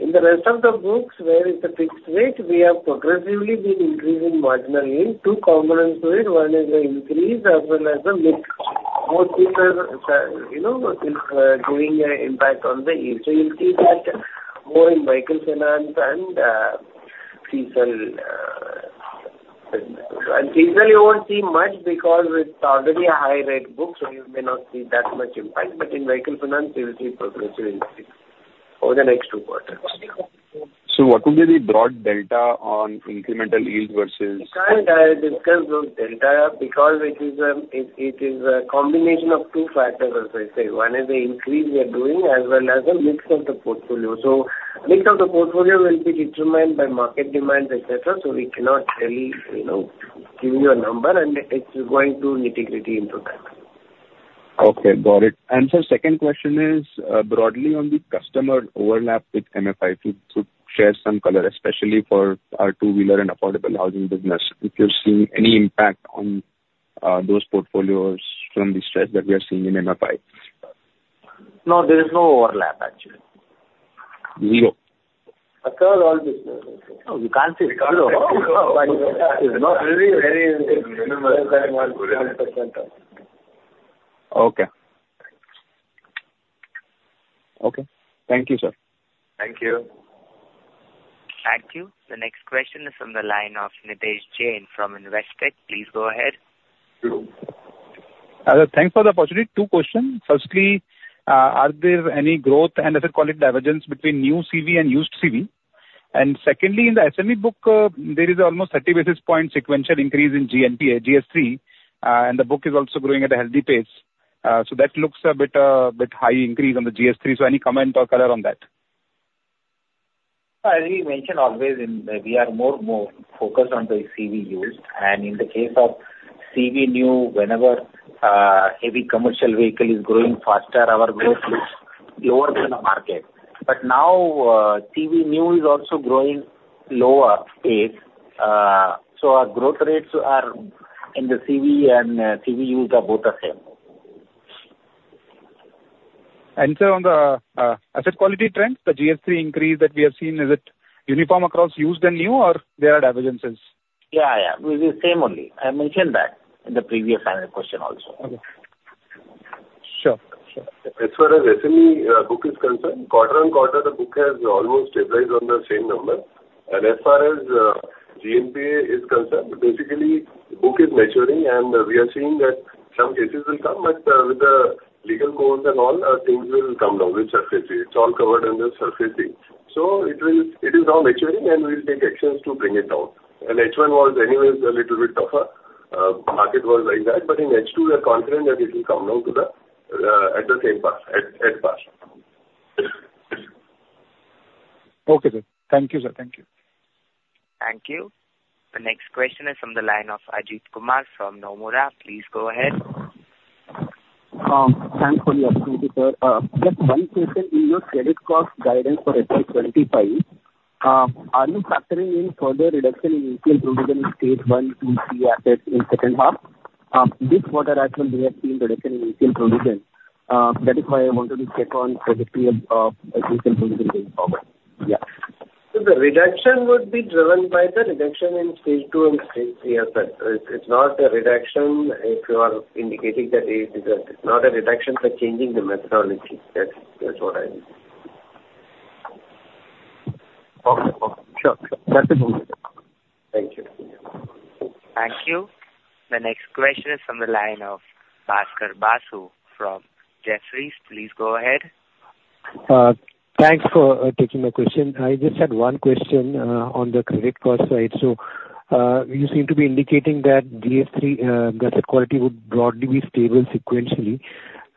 In the rest of the books, where it's a fixed rate, we have progressively been increasing marginal yield. Two components to it. One is the increase as well as the mix. Both these are, you know, giving an impact on the yield. So you'll see that more in vehicle finance and diesel, and diesel you won't see much because it's already a high-rate book, so you may not see that much impact. But in vehicle finance, you will see progressive increase over the next two quarters. So, what would be the broad delta on incremental yield versus- It's hard to discuss those delta because it is a combination of two factors, as I say. One is the increase we are doing, as well as the mix of the portfolio. So mix of the portfolio will be determined by market demands, et cetera, so we cannot really, you know, give you a number, and it's going to nitty-gritty into that. Okay, got it and sir, second question is, broadly on the customer overlap with MFI, if you could share some color, especially for our two-wheeler and affordable housing business. If you're seeing any impact on those portfolios from the stretch that we are seeing in MFI? No, there is no overlap, actually. Zero? Across all business. No, you can't say zero. But it's not very, very minimal. 1% off. Okay. Okay. Thank you, sir. Thank you. Thank you. The next question is from the line of Nidhesh Jain from Investec. Please go ahead. Hello. Thanks for the opportunity. Two questions. Firstly, are there any growth and asset quality divergence between new CV and used CV? And secondly, in the SME book, there is almost 30 basis point sequential increase in GNPA, Stage 3, and the book is also growing at a healthy pace. So that looks a bit high increase on the Stage 3, so any comment or color on that? As we mentioned, always in, we are more and more focused on the CV used, and in the case of CV new, whenever, heavy commercial vehicle is growing faster, our growth is lower than the market. But now, CV new is also growing lower pace. So our growth rates are in the CV and, CV used are both the same. On the asset quality trend, the Stage 3 increase that we have seen, is it uniform across used and new, or there are divergences? Yeah, yeah, it's the same only. I mentioned that in the previous analyst question also. Okay. Sure. Sure. As far as SME book is concerned, quarter on quarter, the book has almost stabilized on the same number, and as far as GNPA is concerned, basically, book is maturing, and we are seeing that some cases will come, but with legal goals and all, things will come down with SARFAESI. It's all covered under SARFAESI, so it is now maturing, and we'll take actions to bring it down, and H1 was anyways a little bit tougher. Market was like that, but in H2, we are confident that it will come down to the same path. Okay, good. Thank you, sir. Thank you. Thank you. The next question is from the line of Ajit Kumar from Nomura. Please go ahead. Thanks for the opportunity, sir. Just one question in your credit cost guidance for FY 2025, are you factoring in further reduction in retail provision Stage 1, 2, 3 assets in second half? This quarter actually, we have seen reduction in retail provision. That is why I wanted to check on trajectory of retail provision going forward. Yeah. So the reduction would be driven by the reduction in Stage 2 and Stage 3 assets. It's not a reduction if you are indicating that it is a... Not a reduction for changing the methodology. That's what I mean. Okay. Okay. Sure. Sure. That is all. Thank you. Thank you. The next question is from the line of Bhaskar Basu from Jefferies. Please go ahead. Thanks for taking my question. I just had one question on the credit cost side. So, you seem to be indicating that Stage 3 asset quality would broadly be stable sequentially,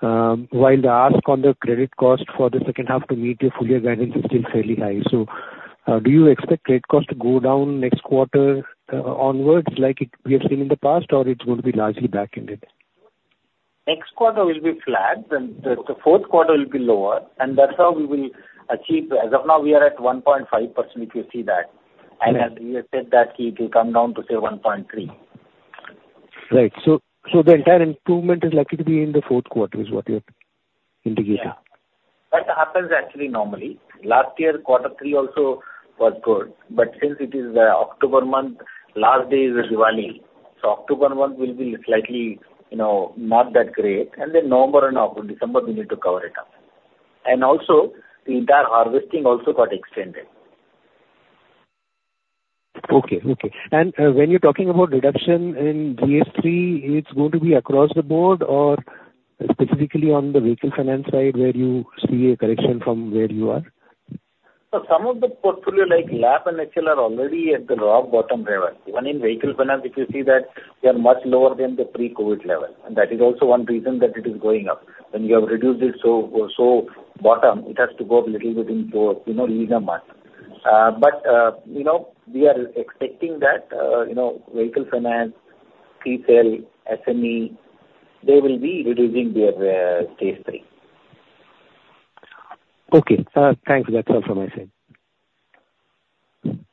while the ask on the credit cost for the second half to meet your full year guidance is still fairly high. So, do you expect credit cost to go down next quarter onwards, like it we have seen in the past, or it's going to be largely back-ended? Next quarter will be flat, and the fourth quarter will be lower, and that's how we will achieve. As of now, we are at 1.5%, if you see that. Right. And as we have said that, it will come down to, say, one point three. Right. So, the entire improvement is likely to be in the fourth quarter, is what you're indicating? Yeah. That happens actually normally. Last year, quarter three also was good, but since it is, October month, last day is Diwali. So October month will be slightly, you know, not that great, and then November and, December, we need to cover it up. And also, the entire harvesting also got extended. Okay. Okay. And, when you're talking about reduction in GS3, it's going to be across the board or specifically on the vehicle finance side, where you see a correction from where you are? So some of the portfolio, like LAP and HLL, are already at the rock bottom level. Even in vehicle finance, if you see that, we are much lower than the pre-COVID level, and that is also one reason that it is going up. When you have reduced it so, so bottom, it has to go up little bit in four, you know, even a month. But, you know, we are expecting that, you know, vehicle finance, CSEL, SME, they will be reducing their Stage 3. Okay, thanks. That's all from my side.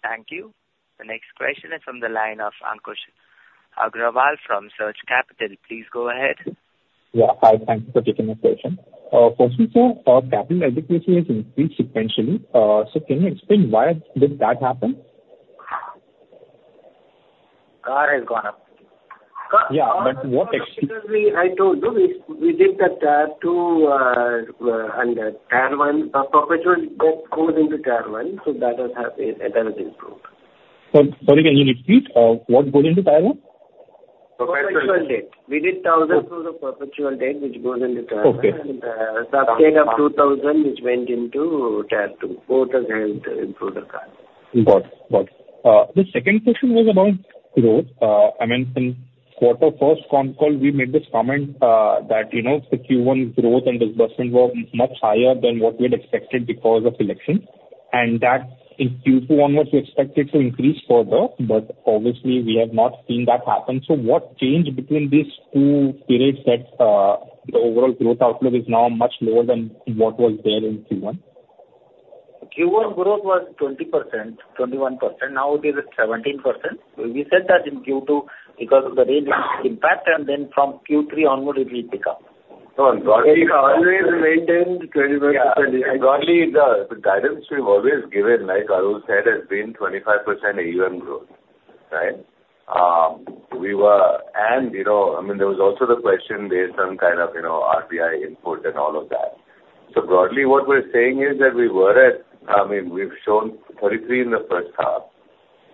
Thank you. The next question is from the line of Ankush Agrawal from Surge Capital. Please go ahead. Yeah. Hi, thank you for taking my question. First, sir, our capital adequacy has increased sequentially. So can you explain why did that happen? CAR has gone up. Yeah, but what-... I told you, we did the Tier 2, and Tier 1. Perpetual got pulled into Tier 1, so that has happened, and that has improved. Sorry, sorry, can you repeat what went into tier one? Perpetual debt. We did thousand of the perpetual debt, which goes into Tier 1. Okay. Subordinated of 2,000, which went into Tier 2. Both of them improved the CAR. Got it. Got it. The second question was about growth. I mean, in quarter first conf call, we made this comment that, you know, the Q1 growth and disbursement were much higher than what we had expected because of election. And that in Q2 onwards, we expect it to increase further, but obviously we have not seen that happen. So what changed between these two periods that the overall growth outlook is now much lower than what was there in Q1? Q1 growth was 20%, 21%. Now it is 17%. We said that in Q2 because of the rain impact, and then from Q3 onward, it will pick up. We always maintain 25%. Yeah. Broadly, the guidance we've always given, like Arul said, has been 25% AUM growth, right? You know, I mean, there was also the question based on kind of, you know, RBI input and all of that. So broadly, what we're saying is that we were at, I mean, we've shown 33% in the first half,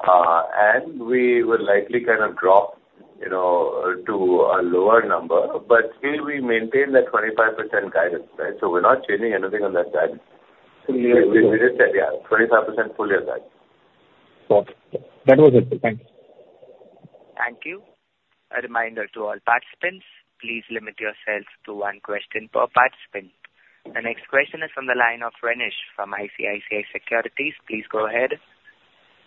and we will likely kind of drop, you know, to a lower number, but still we maintain the 25% guidance, right? So we're not changing anything on that guide. Full year. We just said, yeah, 25% full year guide. Got it. That was it. Thank you. Thank you. A reminder to all participants, please limit yourselves to one question per participant. The next question is from the line of Renish from ICICI Securities. Please go ahead.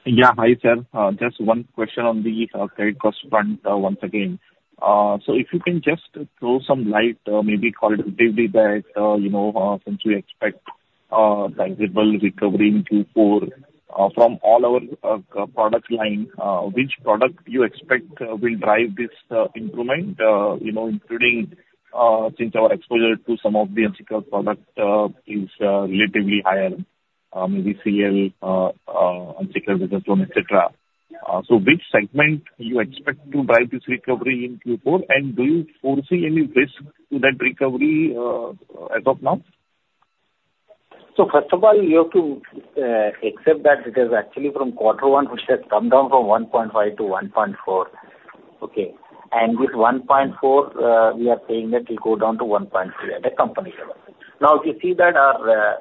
Yeah. Hi, sir. Just one question on the credit cost front, once again. So if you can just throw some light, maybe qualitatively that, you know, since we expect visible recovery in Q4, from all our product line, which product you expect will drive this improvement? You know, including, since our exposure to some of the unsecured product is relatively higher, maybe CL, unsecured business loan, et cetera. So which segment you expect to drive this recovery in Q4, and do you foresee any risk to that recovery, as of now?... So first of all, you have to accept that it is actually from quarter one, which has come down from 1.5% to 1.4%. Okay? And this 1.4%, we are saying that it'll go down to 1.3% at the company level. Now, if you see that our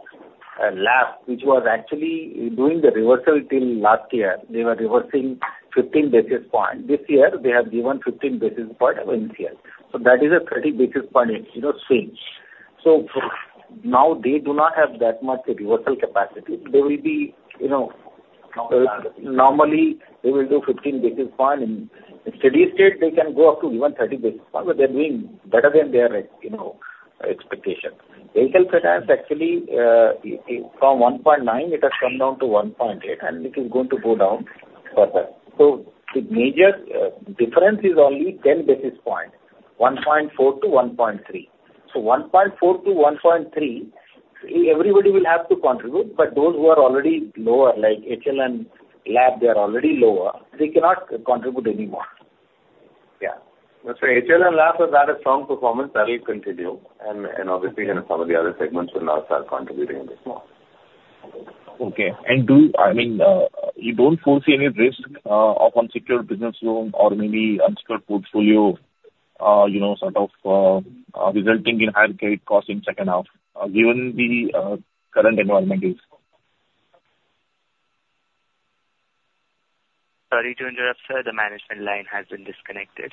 LAP, which was actually doing the reversal till last year, they were reversing 15 basis points. This year, they have given 15 basis points of NCL. So that is a 30 basis point, you know, swing. So for now, they do not have that much reversal capacity. They will be, you know, normally, they will do 15 basis points, and in steady state, they can go up to even 30 basis points, but they're doing better than their, you know, expectation. HL Finance actually, from one point nine, it has come down to one point eight, and it is going to go down further. So the major difference is only 10 basis points, one point four to one point three. So one point four to one point three, everybody will have to contribute, but those who are already lower, like HLL and LAP, they are already lower, they cannot contribute anymore. Yeah. That's why HLL and LAP has had a strong performance, that will continue, and obviously, you know, some of the other segments will now start contributing as well. Okay. And I mean, you don't foresee any risk of unsecured business loan or maybe unsecured portfolio, you know, sort of, resulting in higher credit costs in second half, given the current environment is? Sorry to interrupt, sir. The management line has been disconnected.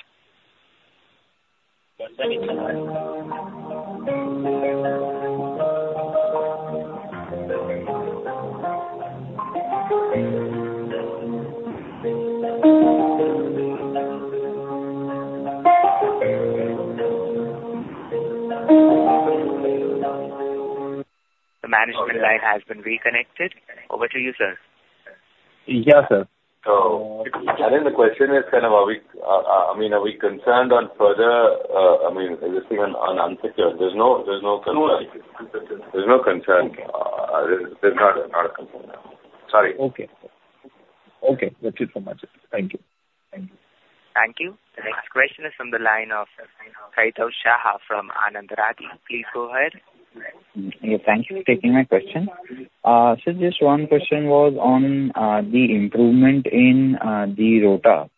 The management line has been reconnected. Over to you, sir. Yeah, sir. So I think the question is kind of, are we—I mean, are we concerned on further—I mean, existing on unsecured? There's no concern. No concern. There's no concern. Okay. There's not a concern. Sorry. Okay. Okay, that's it from my side. Thank you. Thank you. Thank you. The next question is from the line of Kaitav Shah from Anand Rathi. Please go ahead. Yeah, thank you for taking my question. So just one question was on the improvement in the ROA.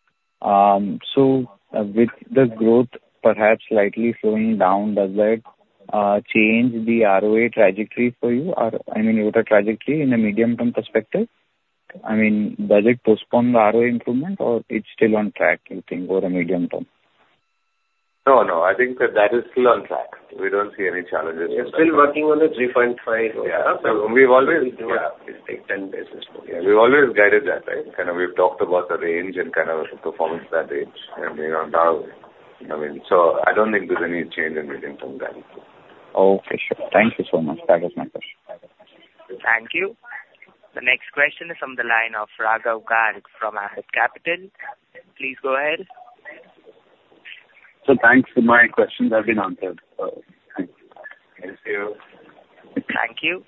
So with the growth perhaps slightly slowing down, does that change the ROA trajectory for you? Or, I mean, ROA trajectory in the medium-term perspective. I mean, does it postpone the ROA improvement, or it's still on track, you think, over the medium term? No, no, I think that that is still on track. We don't see any challenges. We're still working on the three point five? Yeah, so we've always- Yeah. It's like ten basis points. Yeah, we've always guided that, right? Kind of we've talked about the range and kind of performance that range and, you know, now, I mean... So I don't think there's any change in medium-term guidance. Okay, sure. Thank you so much. That was my question. Thank you. The next question is from the line of Raghav Garg from Ambit Capital. Please go ahead. So thanks, my questions have been answered. So thank you. Thank you. Thank you.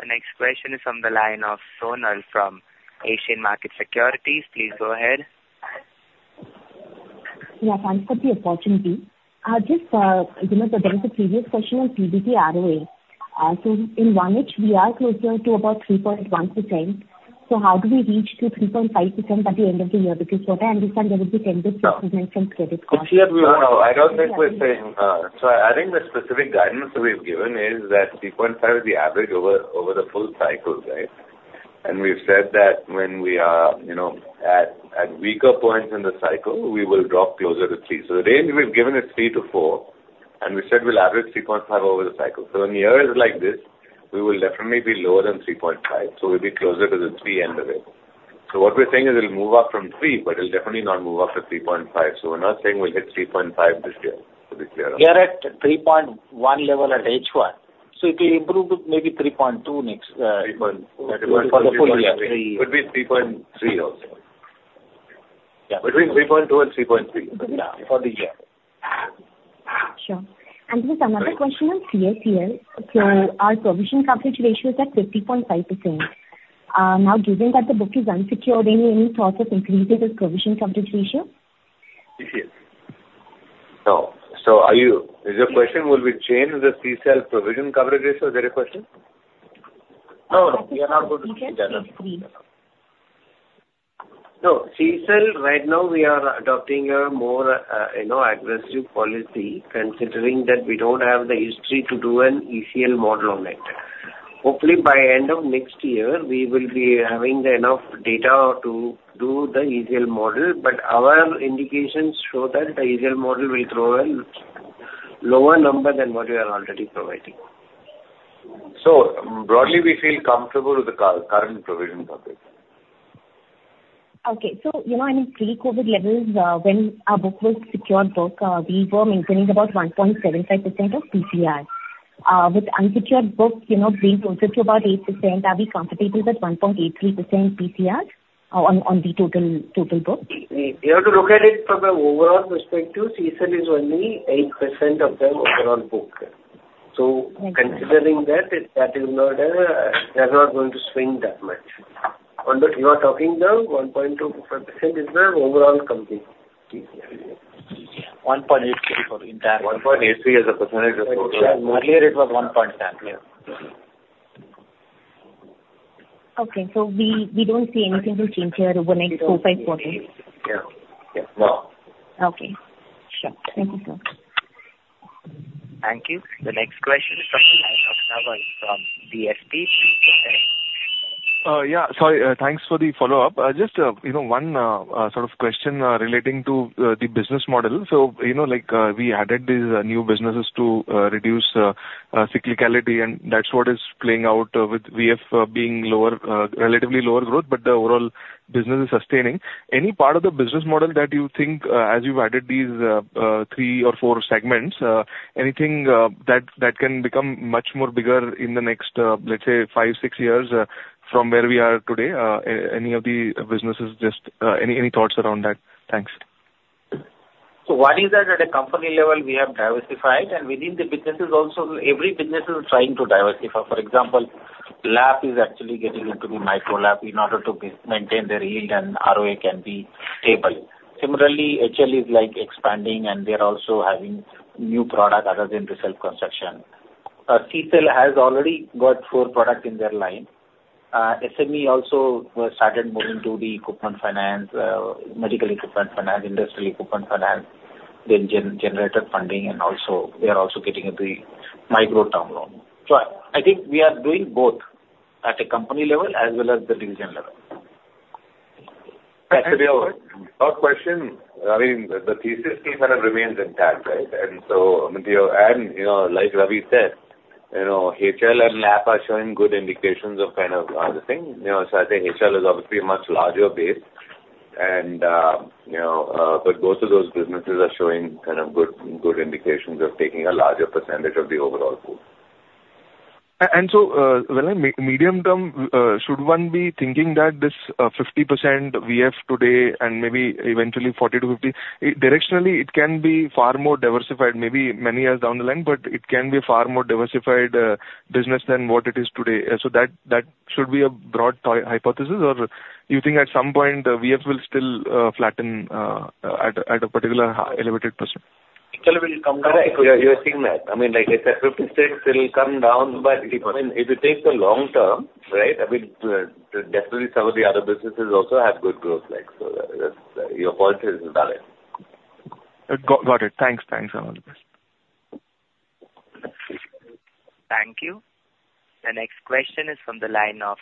The next question is from the line of Sonal from Asian Market Securities. Please go ahead. Yeah, thanks for the opportunity. Just, you know, there was a previous question on PBT ROA. So in one which we are closer to about 3.1%, so how do we reach to 3.5% by the end of the year? Because what I understand there will be ten basis points from credit card. No, I don't think we're saying... so I think the specific guidance we've given is that three point five is the average over the full cycle, right? And we've said that when we are, you know, at weaker points in the cycle, we will drop closer to three. So the range we've given is three to four, and we said we'll average three point five over the cycle. So in years like this, we will definitely be lower than three point five, so we'll be closer to the three end of it. So what we're saying is it'll move up from three, but it'll definitely not move up to three point five. So we're not saying we'll hit three point five this year, to be clear. We are at three point one level at HY, so it'll improve to maybe three point two next. Three point... For the full year. Could be three point three also. Yeah. Between 3.2 and 3.3. Yeah, for the year. Sure. Just another question on CCL. Our provision coverage ratio is at 50.5%. Now, given that the book is unsecured, any thoughts of increasing this provision coverage ratio? Yes. No. So is your question, will we change the CSEL provision coverage ratio? Is that your question? No, no, we are not going to do that. No. CSEL, right now we are adopting a more, you know, aggressive policy, considering that we don't have the history to do an ECL model on it. Hopefully, by end of next year, we will be having the enough data to do the ECL model, but our indications show that the ECL model will throw a lower number than what we are already providing. So broadly, we feel comfortable with the current provision coverage. Okay. So, you know, in pre-COVID levels, when our book was secured book, we were maintaining about 1.75% of PCR. With unsecured book, you know, being closer to about 8%, are we comfortable with that 1.83% PCR, on the total book? You have to look at it from an overall perspective. CSEL is only 8% of the overall book. Okay. Considering that, it, that is not, they're not going to swing that much. On that, you are talking now, 1.25% is the overall company PCR. 1.83 for the entire- 1.83% of total. Earlier it was 1.7. Okay. So we don't see anything will change here over the next two to five quarters? Yeah. Yeah, no. Okay. Sure. Thank you, sir. Thank you. The next question is from the line of Dhaval from DSP. Please go ahead. Yeah. So, thanks for the follow-up. Just, you know, one sort of question relating to the business model. So, you know, like, we added these new businesses to reduce cyclicality, and that's what is playing out with VF being lower relatively lower growth, but the overall business is sustaining. Any part of the business model that you think, as you've added these three or four segments, anything that can become much more bigger in the next, let's say, five, six years from where we are today? Any of the businesses just, any thoughts around that? Thanks. So one is that at a company level, we have diversified, and within the businesses also, every business is trying to diversify. For example, LAP is actually getting into the micro LAP in order to maintain their yield and ROA can be stable. Similarly, HLL is like expanding, and they are also having new product other than the self-construction. CSEL has already got four product in their line. SME also started moving to the equipment finance, medical equipment finance, industrial equipment finance, the generator funding, and also they are also getting into the micro term loan. So I think we are doing both at a company level as well as the division level. Actually, our question, I mean, the thesis still kind of remains intact, right? And so, I mean, you know, like Ravi said, you know, HLL and LAP are showing good indications of kind of the thing. You know, so I think HLL is obviously a much larger base and, you know, but both of those businesses are showing kind of good indications of taking a larger percentage of the overall pool. And so, well, in medium term, should one be thinking that this 50% VF today and maybe eventually 40-50, it directionally, it can be far more diversified, maybe many years down the line, but it can be far more diversified business than what it is today. So that, that should be a broad hypothesis, or you think at some point VF will still flatten at a particular high elevated position? Actually, it will come down. You're seeing that. I mean, like I said, 56 will come down, but if, I mean, if you take the long term, right, I mean, definitely some of the other businesses also have good growth like, so, that's your point is valid. Got it. Thanks, and all the best. Thank you. The next question is from the line of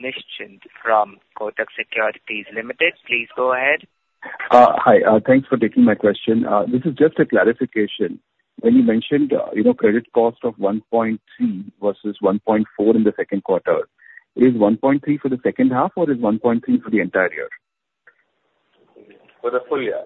Nischint from Kotak Securities Limited. Please go ahead. Hi. Thanks for taking my question. This is just a clarification. When you mentioned, you know, credit cost of 1.3% versus 1.4% in the second quarter, is 1.3% for the second half, or is 1.3% for the entire year? For the full year.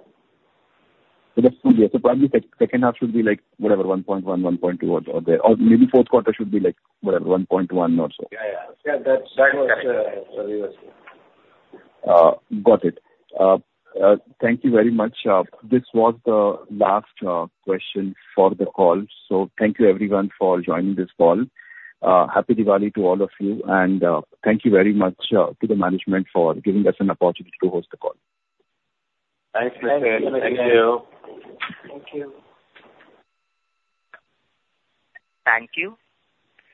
For the full year. So probably second half should be, like, whatever, one point one, one point two or there, or maybe fourth quarter should be like, whatever, one point one or so. Yeah, yeah. Yeah, that's, that was, we were seeing. Got it. Thank you very much. This was the last question for the call. So thank you, everyone, for joining this call. Happy Diwali to all of you, and thank you very much to the management for giving us an opportunity to host the call. Thanks, Nishchint. Thank you. Thank you. Thank you.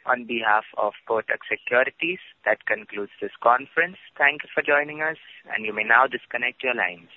On behalf of Kotak Securities, that concludes this conference. Thank you for joining us, and you may now disconnect your lines.